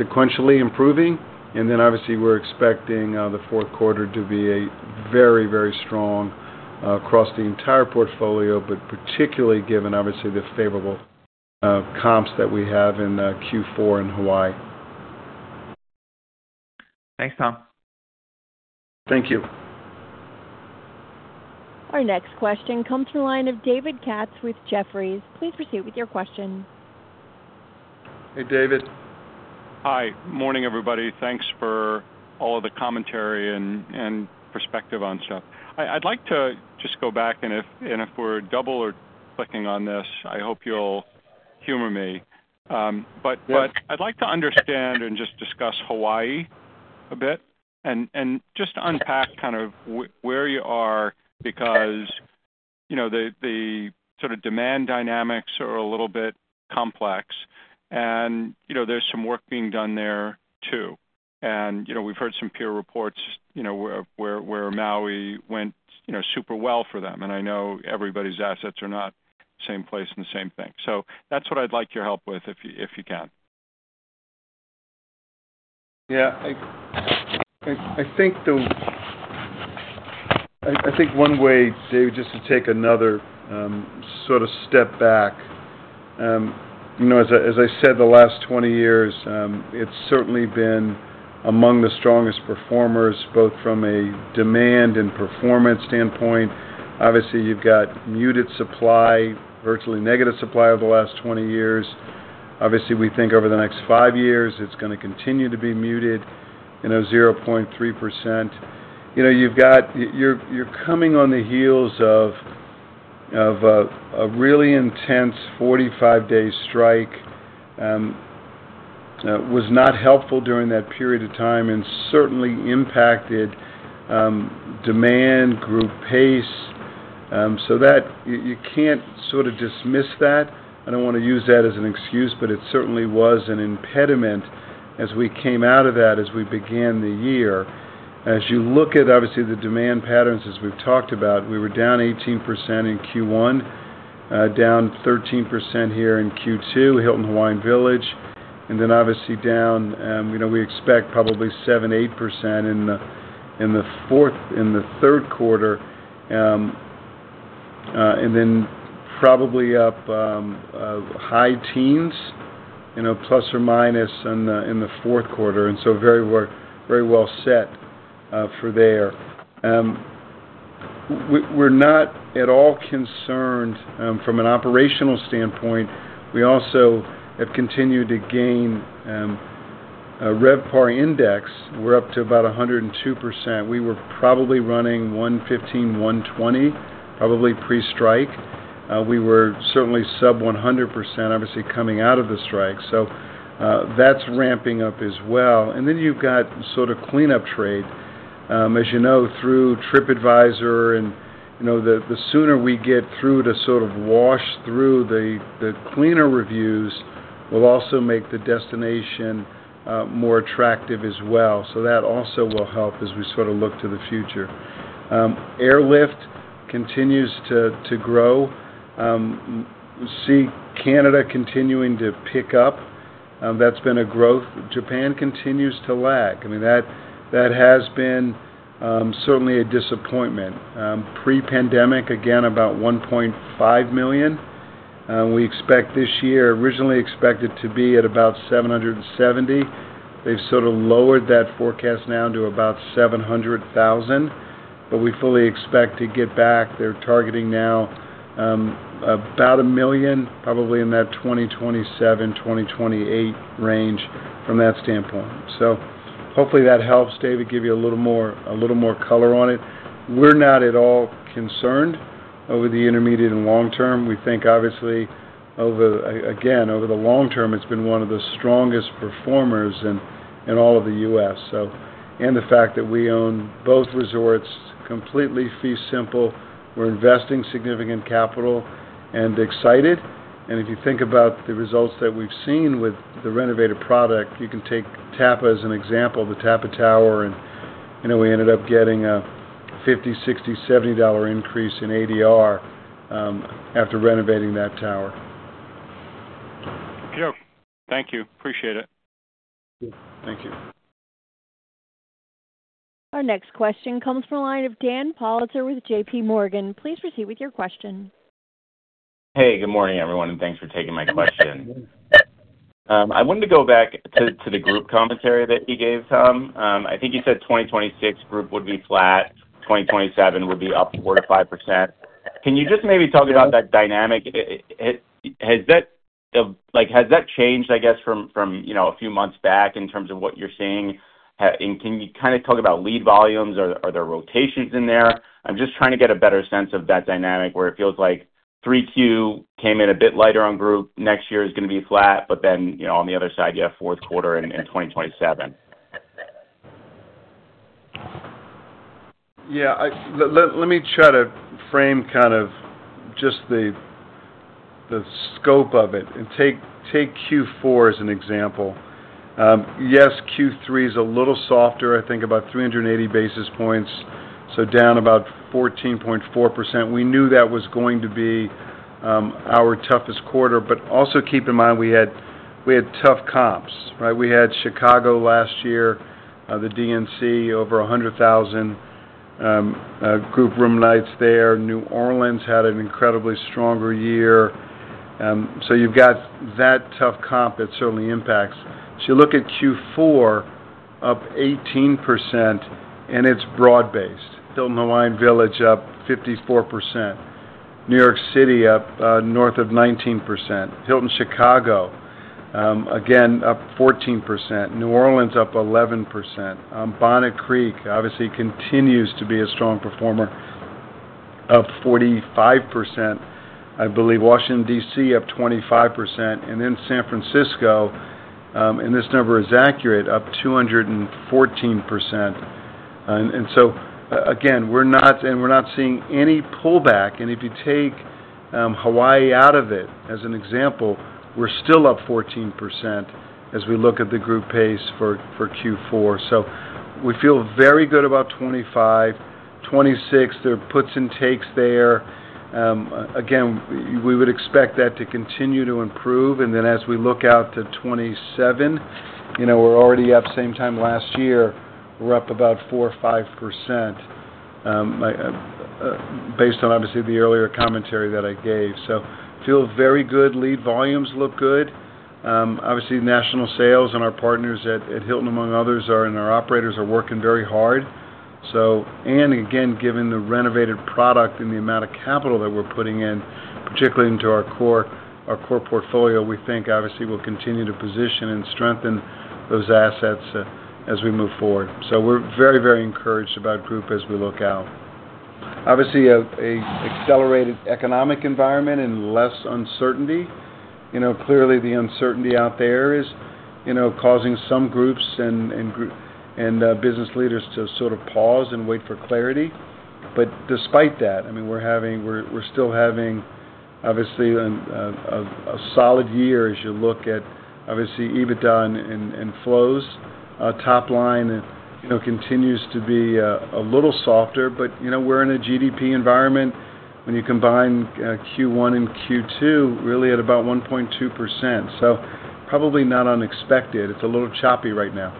sequentially improving, and we're expecting the fourth quarter to be very, very strong across the entire portfolio, particularly given the favorable comps that we have in Q4 in Hawaii. Thanks, Tom. Thank you. Our next question comes from the line of David Katz with Jefferies. Please proceed with your question. Hey David. Hi, morning everybody. Thanks for all of the commentary and perspective on stuff. I'd like to just go back and if we're double clicking on this, I hope you'll humor me. I'd like to understand and just discuss Hawaii a bit and just unpack kind of where you are because the sort of demand dynamics are a little bit complex and there's some work being done there too. We've heard some peer reports, you know, where Maui went super well for them. I know everybody's assets are not same place and the same thing. That's what I'd like your help. If you can. Yeah, I think the. I think one way, David, just to take another sort of step back. As I said, the last 20 years it's certainly been among the strongest performers both from a demand and performance standpoint. Obviously, you've got muted supply, virtually negative supply over the last 20 years. Obviously, we think over the next five years it's going to continue to be muted, you know, 0.3%. You're coming on the heels of a really intense 45. Day strike. was not helpful during that period of time and certainly impacted demand Group Pace. You can't sort of dismiss that. I don't want to use that as an excuse, but it certainly was an impediment as we came out of that as we began the year. As you look at obviously the demand patterns as we've talked about, we were down 18% in Q1, down 13% here in Q2, Hawaiian Village, and then obviously down we expect probably 7%, 8%. In the third quarter. Probably up high teens plus or minus in the fourth quarter and very well set for there. We're not at all concerned from an operational standpoint. We also have continued to gain RevPAR Index. We're up to about 102%. We were probably running 115%, 120% probably pre-strike. We were certainly sub-100% obviously coming out of the strike. That's ramping up as well. You've got sort of cleanup trade as you know through TripAdvisor and the sooner we get through to sort of wash through, the cleaner reviews will also make the destination more attractive as well. That also will help as we look to the future. Airlift continues to grow. We see Canada continuing to pick up. That's been a growth. Japan continues to lag. That has been certainly a disappointment. Pre-pandemic, again about 1.5 million. We expect this year, originally expected to be at about 770,000. They've sort of lowered that forecast now to about 700,000, but we fully expect to get back. They're targeting now about a million probably in that 2027, 2028 range from that standpoint. Hopefully that helps, David, give you a little more color on it. We're not at all concerned over the intermediate and long term. We think obviously again over the long term it's been one of the strongest performers in all of the U.S. and the fact that we own both resorts completely fee simple, we're investing significant capital and excited. If you think about the results that we've seen with the renovated product, you can take Tapa as an example, the Tapa Tower. We ended up getting a $50, $60, $70 increase in ADR after renovating that tower. Thank you. Appreciate it. Thank you. Our next question comes from the line of Dan Pollitzer with JPMorgan. Please proceed with your question. Hey, good morning everyone and thanks for taking my question. I wanted to go back to the group commentary that you gave, Tom. I think you said 2026 group would be flat. 2027 would be up 4%-5%. Can you just maybe talk about that dynamic? Has that changed, I guess from a few months back in terms of what you're seeing? Can you kind of talk about lead volumes or are there rotations in there? I'm just trying to get a better sense of that dynamic where it feels like 3Q came in a bit lighter on group. Next year is going to be flat. On the other side you have fourth quarter and 2027. Yeah, let me try to frame kind of just the scope of it and take Q4 as an example. Q3 is a little softer, I think about 380 basis points, so down about 14.4%. We knew that was going to be our toughest quarter. Also, keep in mind we had tough comps. Right. We had Chicago last year, the DNC, over 100,000 group room nights there. New Orleans had an incredibly strong year. You've got that tough comp. It certainly impacts you. Look at Q4, up 18%, and it's broad based. Hilton Hawaiian Village up 54%. New York City up north of 19%. Hilton Chicago again, up 14%. New Orleans up 11%. Bonnet Creek obviously continues to be a strong performer, up 45%, I believe. Washington, D.C. up 25%, and then San Francisco, and this number is accurate, up 214%. We're not seeing any pullback. If you take Hawaii out of it as an example, we're still up 14% as we look at the Group Pace for Q4, so we feel very good about 2025, 2026. There are puts and takes there. We would expect that to continue to improve. As we look out to 2026, we're already up same time last year, we're up about 4% or 5%. Based on the earlier commentary that I gave, I feel very good. Lead volumes look good. Obviously, national sales and our partners at Hilton, among others, and our operators are working very hard. So. Given the renovated product and the amount of capital that we're putting in, particularly into our core portfolio, we think obviously we'll continue to position and strengthen those assets as we move forward. We're very, very encouraged about group as we look out. Obviously, an accelerated economic environment and less uncertainty would help. Clearly, the uncertainty out there is causing some groups and business leaders to sort of pause and wait for clarity. Despite that, we're still having obviously a solid year. As you look at obviously EBITDA and flows, top line continues to be a little softer, but we're in a GDP environment. When you combine Q1 and Q2, really at about 1.2%, so probably not unexpected. It's a little choppy right now.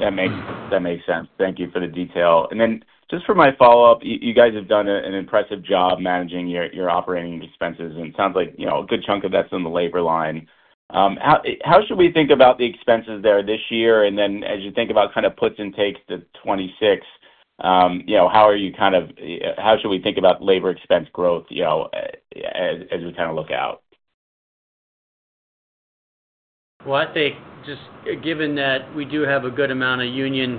That makes sense. Thank you for the detail. For my follow up, you guys have done an impressive job managing your operating expenses, and it sounds like a good chunk of that's on the labor line. How should we think about the expenses there this year? As you think about kind of puts and takes to 2026, how are you kind of—how should we think about labor expense growth as we look out? I think just given that we do have a good amount of union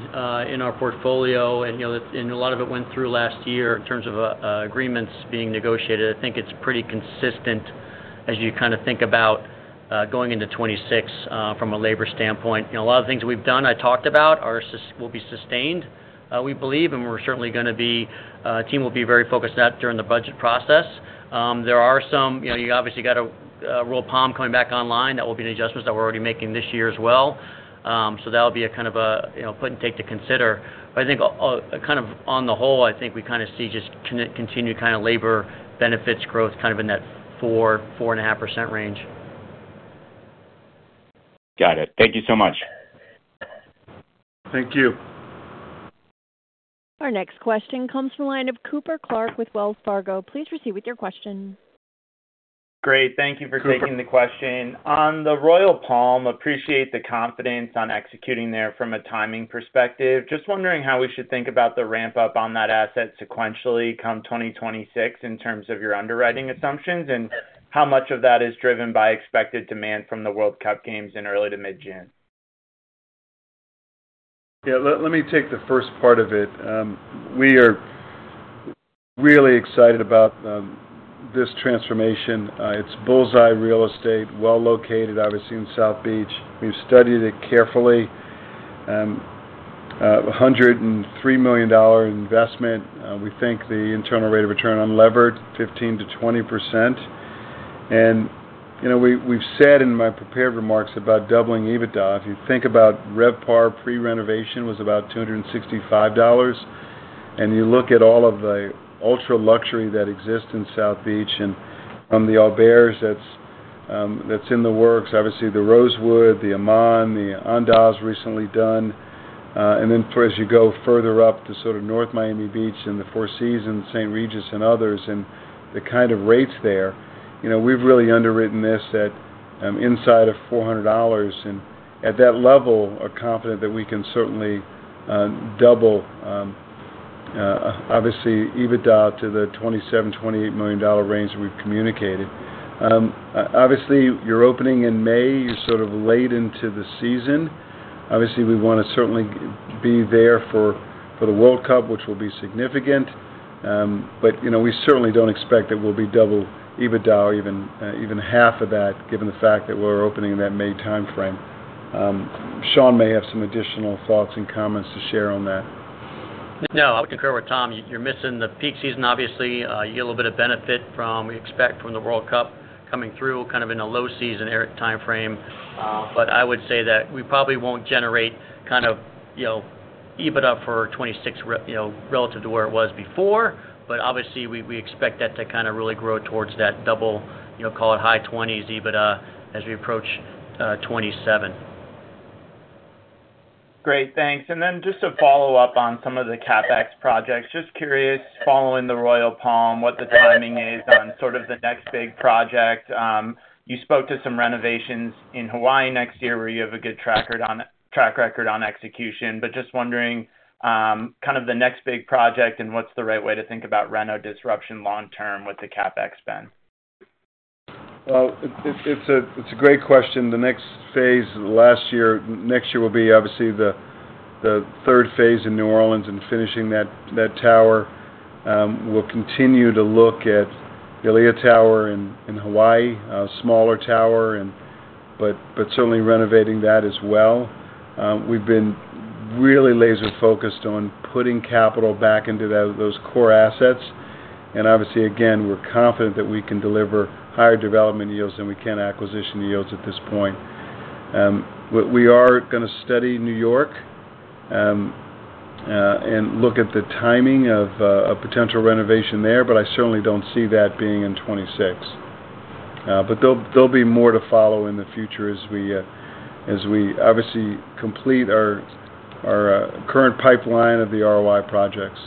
in our portfolio and, you know, a lot of it went through last year in terms of agreements being negotiated, I think it's pretty consistent as you kind of think about going into 2026 from a labor standpoint. You know, a lot of things we've done, I talked about, will be sustained, we believe, and we're certainly going to be, team will be very focused on that during the budget process. There are some, you know, you obviously got Royal Palm coming back online. That will be the adjustments that we're already making this year as well. That will be a kind of a, you know, put and take to consider. I think kind of on the whole, we kind of see just continued kind of labor benefits growth kind of in that 4%-4.5% range. Got it. Thank you so much. Thank you. Our next question comes from the line of Cooper Clark with Wells Fargo. Please proceed with your question. Great. Thank you for taking the question on the Royal Palm. Appreciate the confidence on executing there from a timing perspective. Just wondering how we should think about the ramp up on that asset sequentially come 2026 in terms of your underwriting assumptions, and how much of that is driven by expected demand from the World Cup games in early to mid June? Yeah, let me take the first part of it. We are really excited about this transformation. It's bullseye real estate, well located obviously in South Beach. We've studied it carefully, $103 million investment. We think the internal rate of return unlevered 15%-20%. You know, we've said in my prepared remarks about doubling EBITDA. If you think about RevPAR pre-renovation was about $265 and you look at all of the ultra luxury that exists in South Beach and from the Auberge that's in the works, obviously the Rosewood, the Aman, the Andaz, recently done. As you go further up to sort of North Miami Beach and the Four Seasons, St. Regis and others and the kind of rates there, you know, we've really underwritten this at inside of $400 and at that level are confident that we can certainly double obviously EBITDA to the $27, $28 million range that we've communicated. Obviously you're opening in May, you're sort of late into the season. Obviously we want to see certainly be there for the World Cup which will be significant. You know, we certainly don't expect that we'll be double EBITDA or even half of that given the fact that we're opening in that May time frame. Sean may have some additional thoughts and comments to share on that. No, I would concur with Tom. You're missing the peak season. Obviously, you get a little bit of benefit from, we expect, from the World Cup coming through kind of in a low season timeframe. I would say that we probably won't generate, kind of, you know, EBITDA for 2026, you know, relative to where it was before. Obviously, we expect that to kind of really grow towards that double, you know, call it high 20s EBITDA as we approach 2027. Great, thanks. Just to follow up on some of the CapEx projects, just curious, following the Royal Palm, what the timing is on sort of the next big project. You spoke to some renovations in Hawaii next year where you have a good track record on execution. Just wondering kind of the next big project and what's the right way to think about renovation disruption long term with the CapEx spend? It's a great question. The next phase last year. Next year will be obviously the third phase in New Orleans and finishing that tower. We'll continue to look at Ali'i Tower in Hawaii, a smaller tower, but certainly renovating that as well. We've been really laser focused on putting capital back into those core assets. Obviously, again we're confident that we can deliver higher development yields than we can acquisition yields at this point. We are going to study New York and look at the timing of a potential renovation there. I certainly don't see that being in 2026. There'll be more to follow in the future as we obviously complete our current pipeline of the ROI Projects.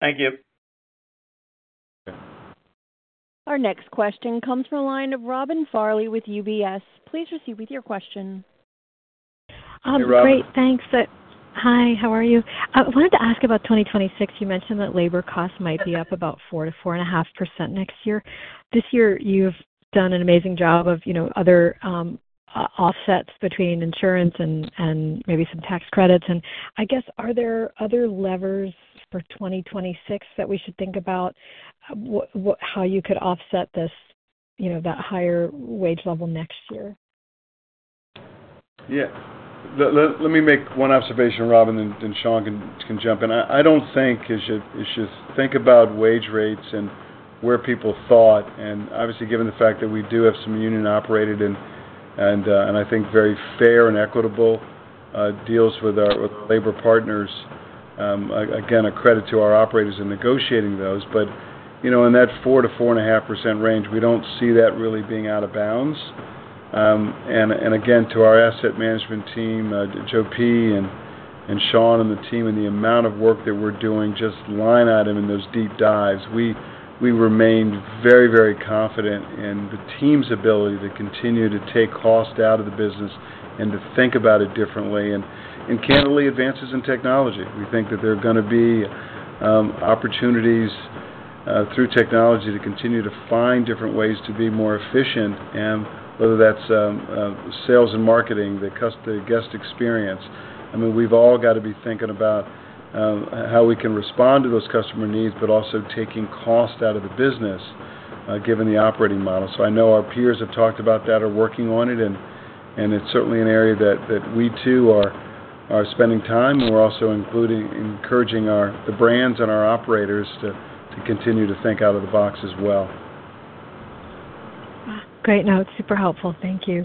Thank you. Our next question comes from the line of Robin Farley with UBS. Please proceed with your question. Great, thanks. Hi, how are you? I wanted to ask about 2026. You mentioned that labor costs might be up about 4%-4.5% next year. This year you've done an amazing job of, you know, other offsets between insurance and maybe some tax credits. I guess are there other levers for 2026 that we should think about how you could offset this, you know, that higher wage level next year? Yeah. Let me make one observation. Robin and Sean can jump in. I don't think you should think about wage rates and where people thought. Obviously, given the fact that we do have some union operated and, I think, very fair and equitable deals with our labor partners, again a credit to our operators in negotiating those. In that 4%-4.5% range, we don't see that really being out of bounds. Again, to our asset management team, Joe P., and Sean and the team and the amount of work that we're doing, just line item in those deep dives, we remained very, very confident in the team ability to continue to take cost out of the business and to think about it differently. Candidly, advances in technology, we think that there are going to be opportunities through technology to continue to find different ways to be more efficient, whether that's sales and marketing, the guest experience. We've all got to be thinking about how we can respond to those customer needs, but also taking cost out of the business given the operating model. I know our peers have talked about that, are working on it, and it's certainly an area that we too are spending time and we're also encouraging the brands and our operators to continue to think out of the box as well. Great. No, it's super helpful, thank you.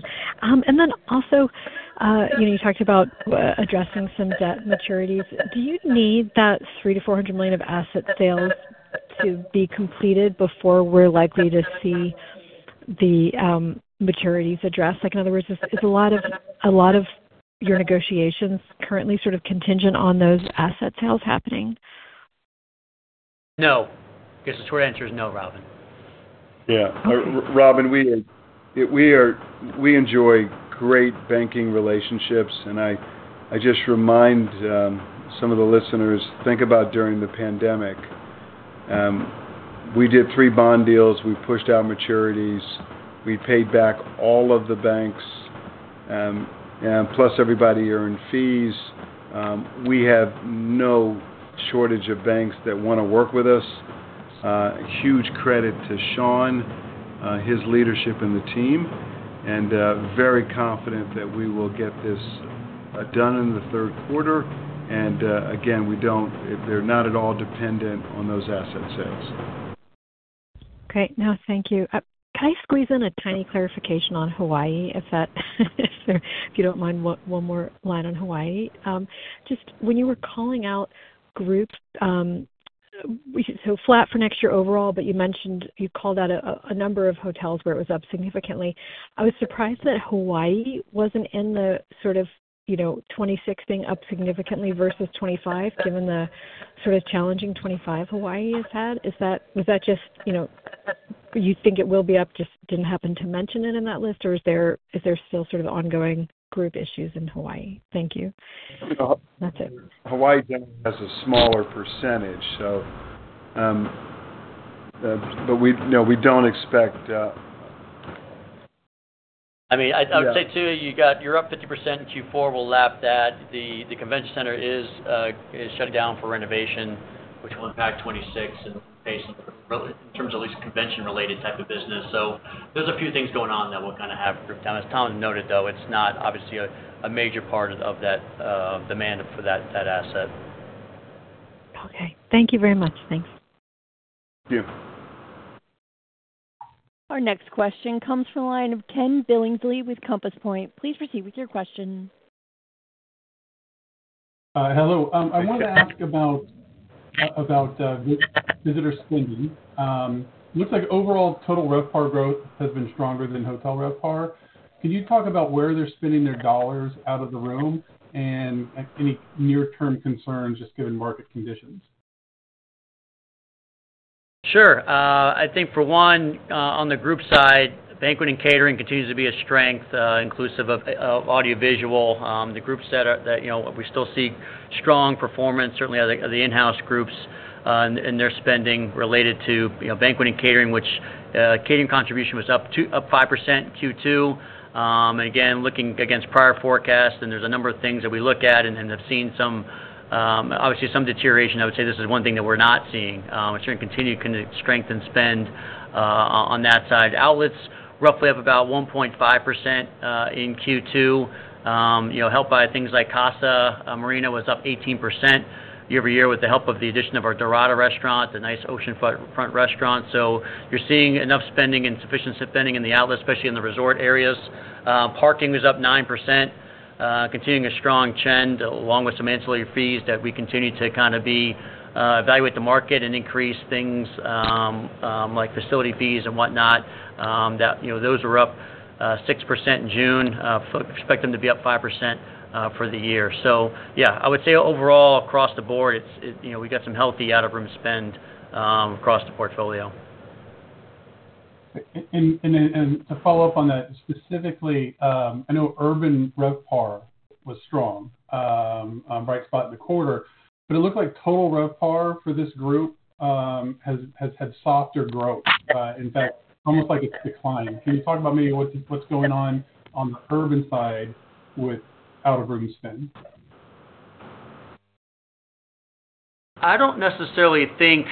You talked about addressing some debt maturities. Do we need that $300 million-$400 million of asset sales to be completed before we're likely to see the maturities addressed? In other words, is a lot of your negotiations currently sort of contingent on those asset sales happening? No. Because the short answer is no. Robin. Robin, we enjoy great banking relationships. I just remind some of the listeners, think about during the pandemic we did three bond deals. We pushed out maturities, we paid back all of the banks, plus everybody earned fees. We have no shortage of banks that want to work with us. Huge credit to Sean, his leadership and the team, and very confident that we will get this done in the third quarter. We don't. They're not at all dependent on those asset sales. Okay. No, thank you. Can I squeeze in a tiny clarification on Hawaii if you don't mind? One more line on Hawaii. Just when you were calling out groups so flat for next year overall, but you mentioned you called out a number of hotels where it was up significantly. I was surprised that Hawaii wasn't in the sort of, you know, 2024 up significantly vs 2025 given the sort of challenging 2025 Hawaii has had. Is that, was that just, you know, you think it will be up? Just didn't happen to mention it in that list or is there still sort of ongoing group issues in Hawaii? Thank you. That's it. Hawaii has a smaller percentage. But. We don't expect. I. I would say too, you got, you're up 50% in Q4. We'll lap that. The convention center is shutting down for renovation, which will impact 2026 in terms of at least convention-related type of business. There are a few things going on that we'll kind of have. As Tom noted though, it's not obviously a major part of that demand for that asset. Okay, thank you very much. Thanks. Thank you. Our next question comes from the line of Ken Billingsley with Compass Point. Please proceed with your question. Hello, I wanted to ask about. Visitor spending. Looks like overall total RevPAR growth has been stronger than hotel RevPAR. Can you talk about where they're spending their dollars out of the room, and any near term concerns just given market conditions? Sure. I think for one on the group side, banquet and catering continues to be a strength inclusive of audiovisual. The group said that we still see strong performance. Certainly the in-house groups and their spending related to banqueting and catering, which catering contribution was up 5%. Q2 again looking against prior forecast and there's a number of things that we look at and have seen obviously some deterioration. I would say this is one thing that we're not seeing. It's going to continue to strengthen spend on that side. Outlets roughly up about 1.5% in Q2, helped by things like Casa Marina was up 18% year-over-year with the help of the addition of our Dorada restaurant, the nice Oceanfoot restaurant restaurants. You're seeing enough spending and sufficient spending in the outlet especially in the resort areas. Parking is up 9%, continuing a strong trend along with some Ancillary fees that we continue to evaluate the market and increase things like facility fees and whatnot. Those are up 6% in June. Expect them to be up 5% for the year. I would say overall across the board we got some healthy out of room spend across the portfolio. To follow up on that specifically, I know urban RevPAR was a strong bright spot in the quarter, but it looked like total RevPAR for this group has had softer growth. In fact, almost like it's declined. Can you talk about maybe what's going on. On the urban side, with out-of-room spend? I don't necessarily think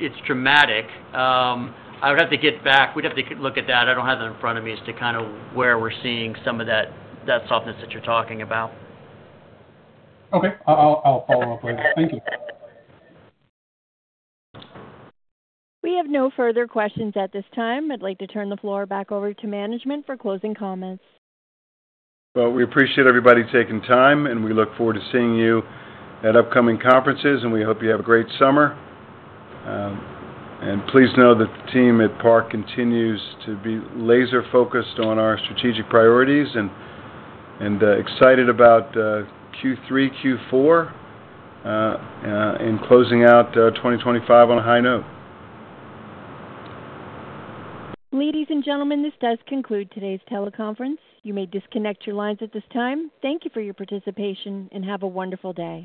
it's dramatic. I would have to get back. We'd have to look at that. I don't have that in front of me as to where we're seeing some of that softness that you're talking about. Okay, I'll follow up later. Thank you. We have no further questions at this time. I'd like to turn the floor back over to management for closing comments. We appreciate everybody taking time and we look forward to seeing you at upcoming conferences. We hope you have a great summer. Please know that the team at Park continues to be laser focused on our strategic priorities and excited about Q3, Q4 and closing out 2025 on a high note. Ladies and gentlemen, this does conclude today's teleconference. You may disconnect your lines at this time. Thank you for your participation and have a wonderful day.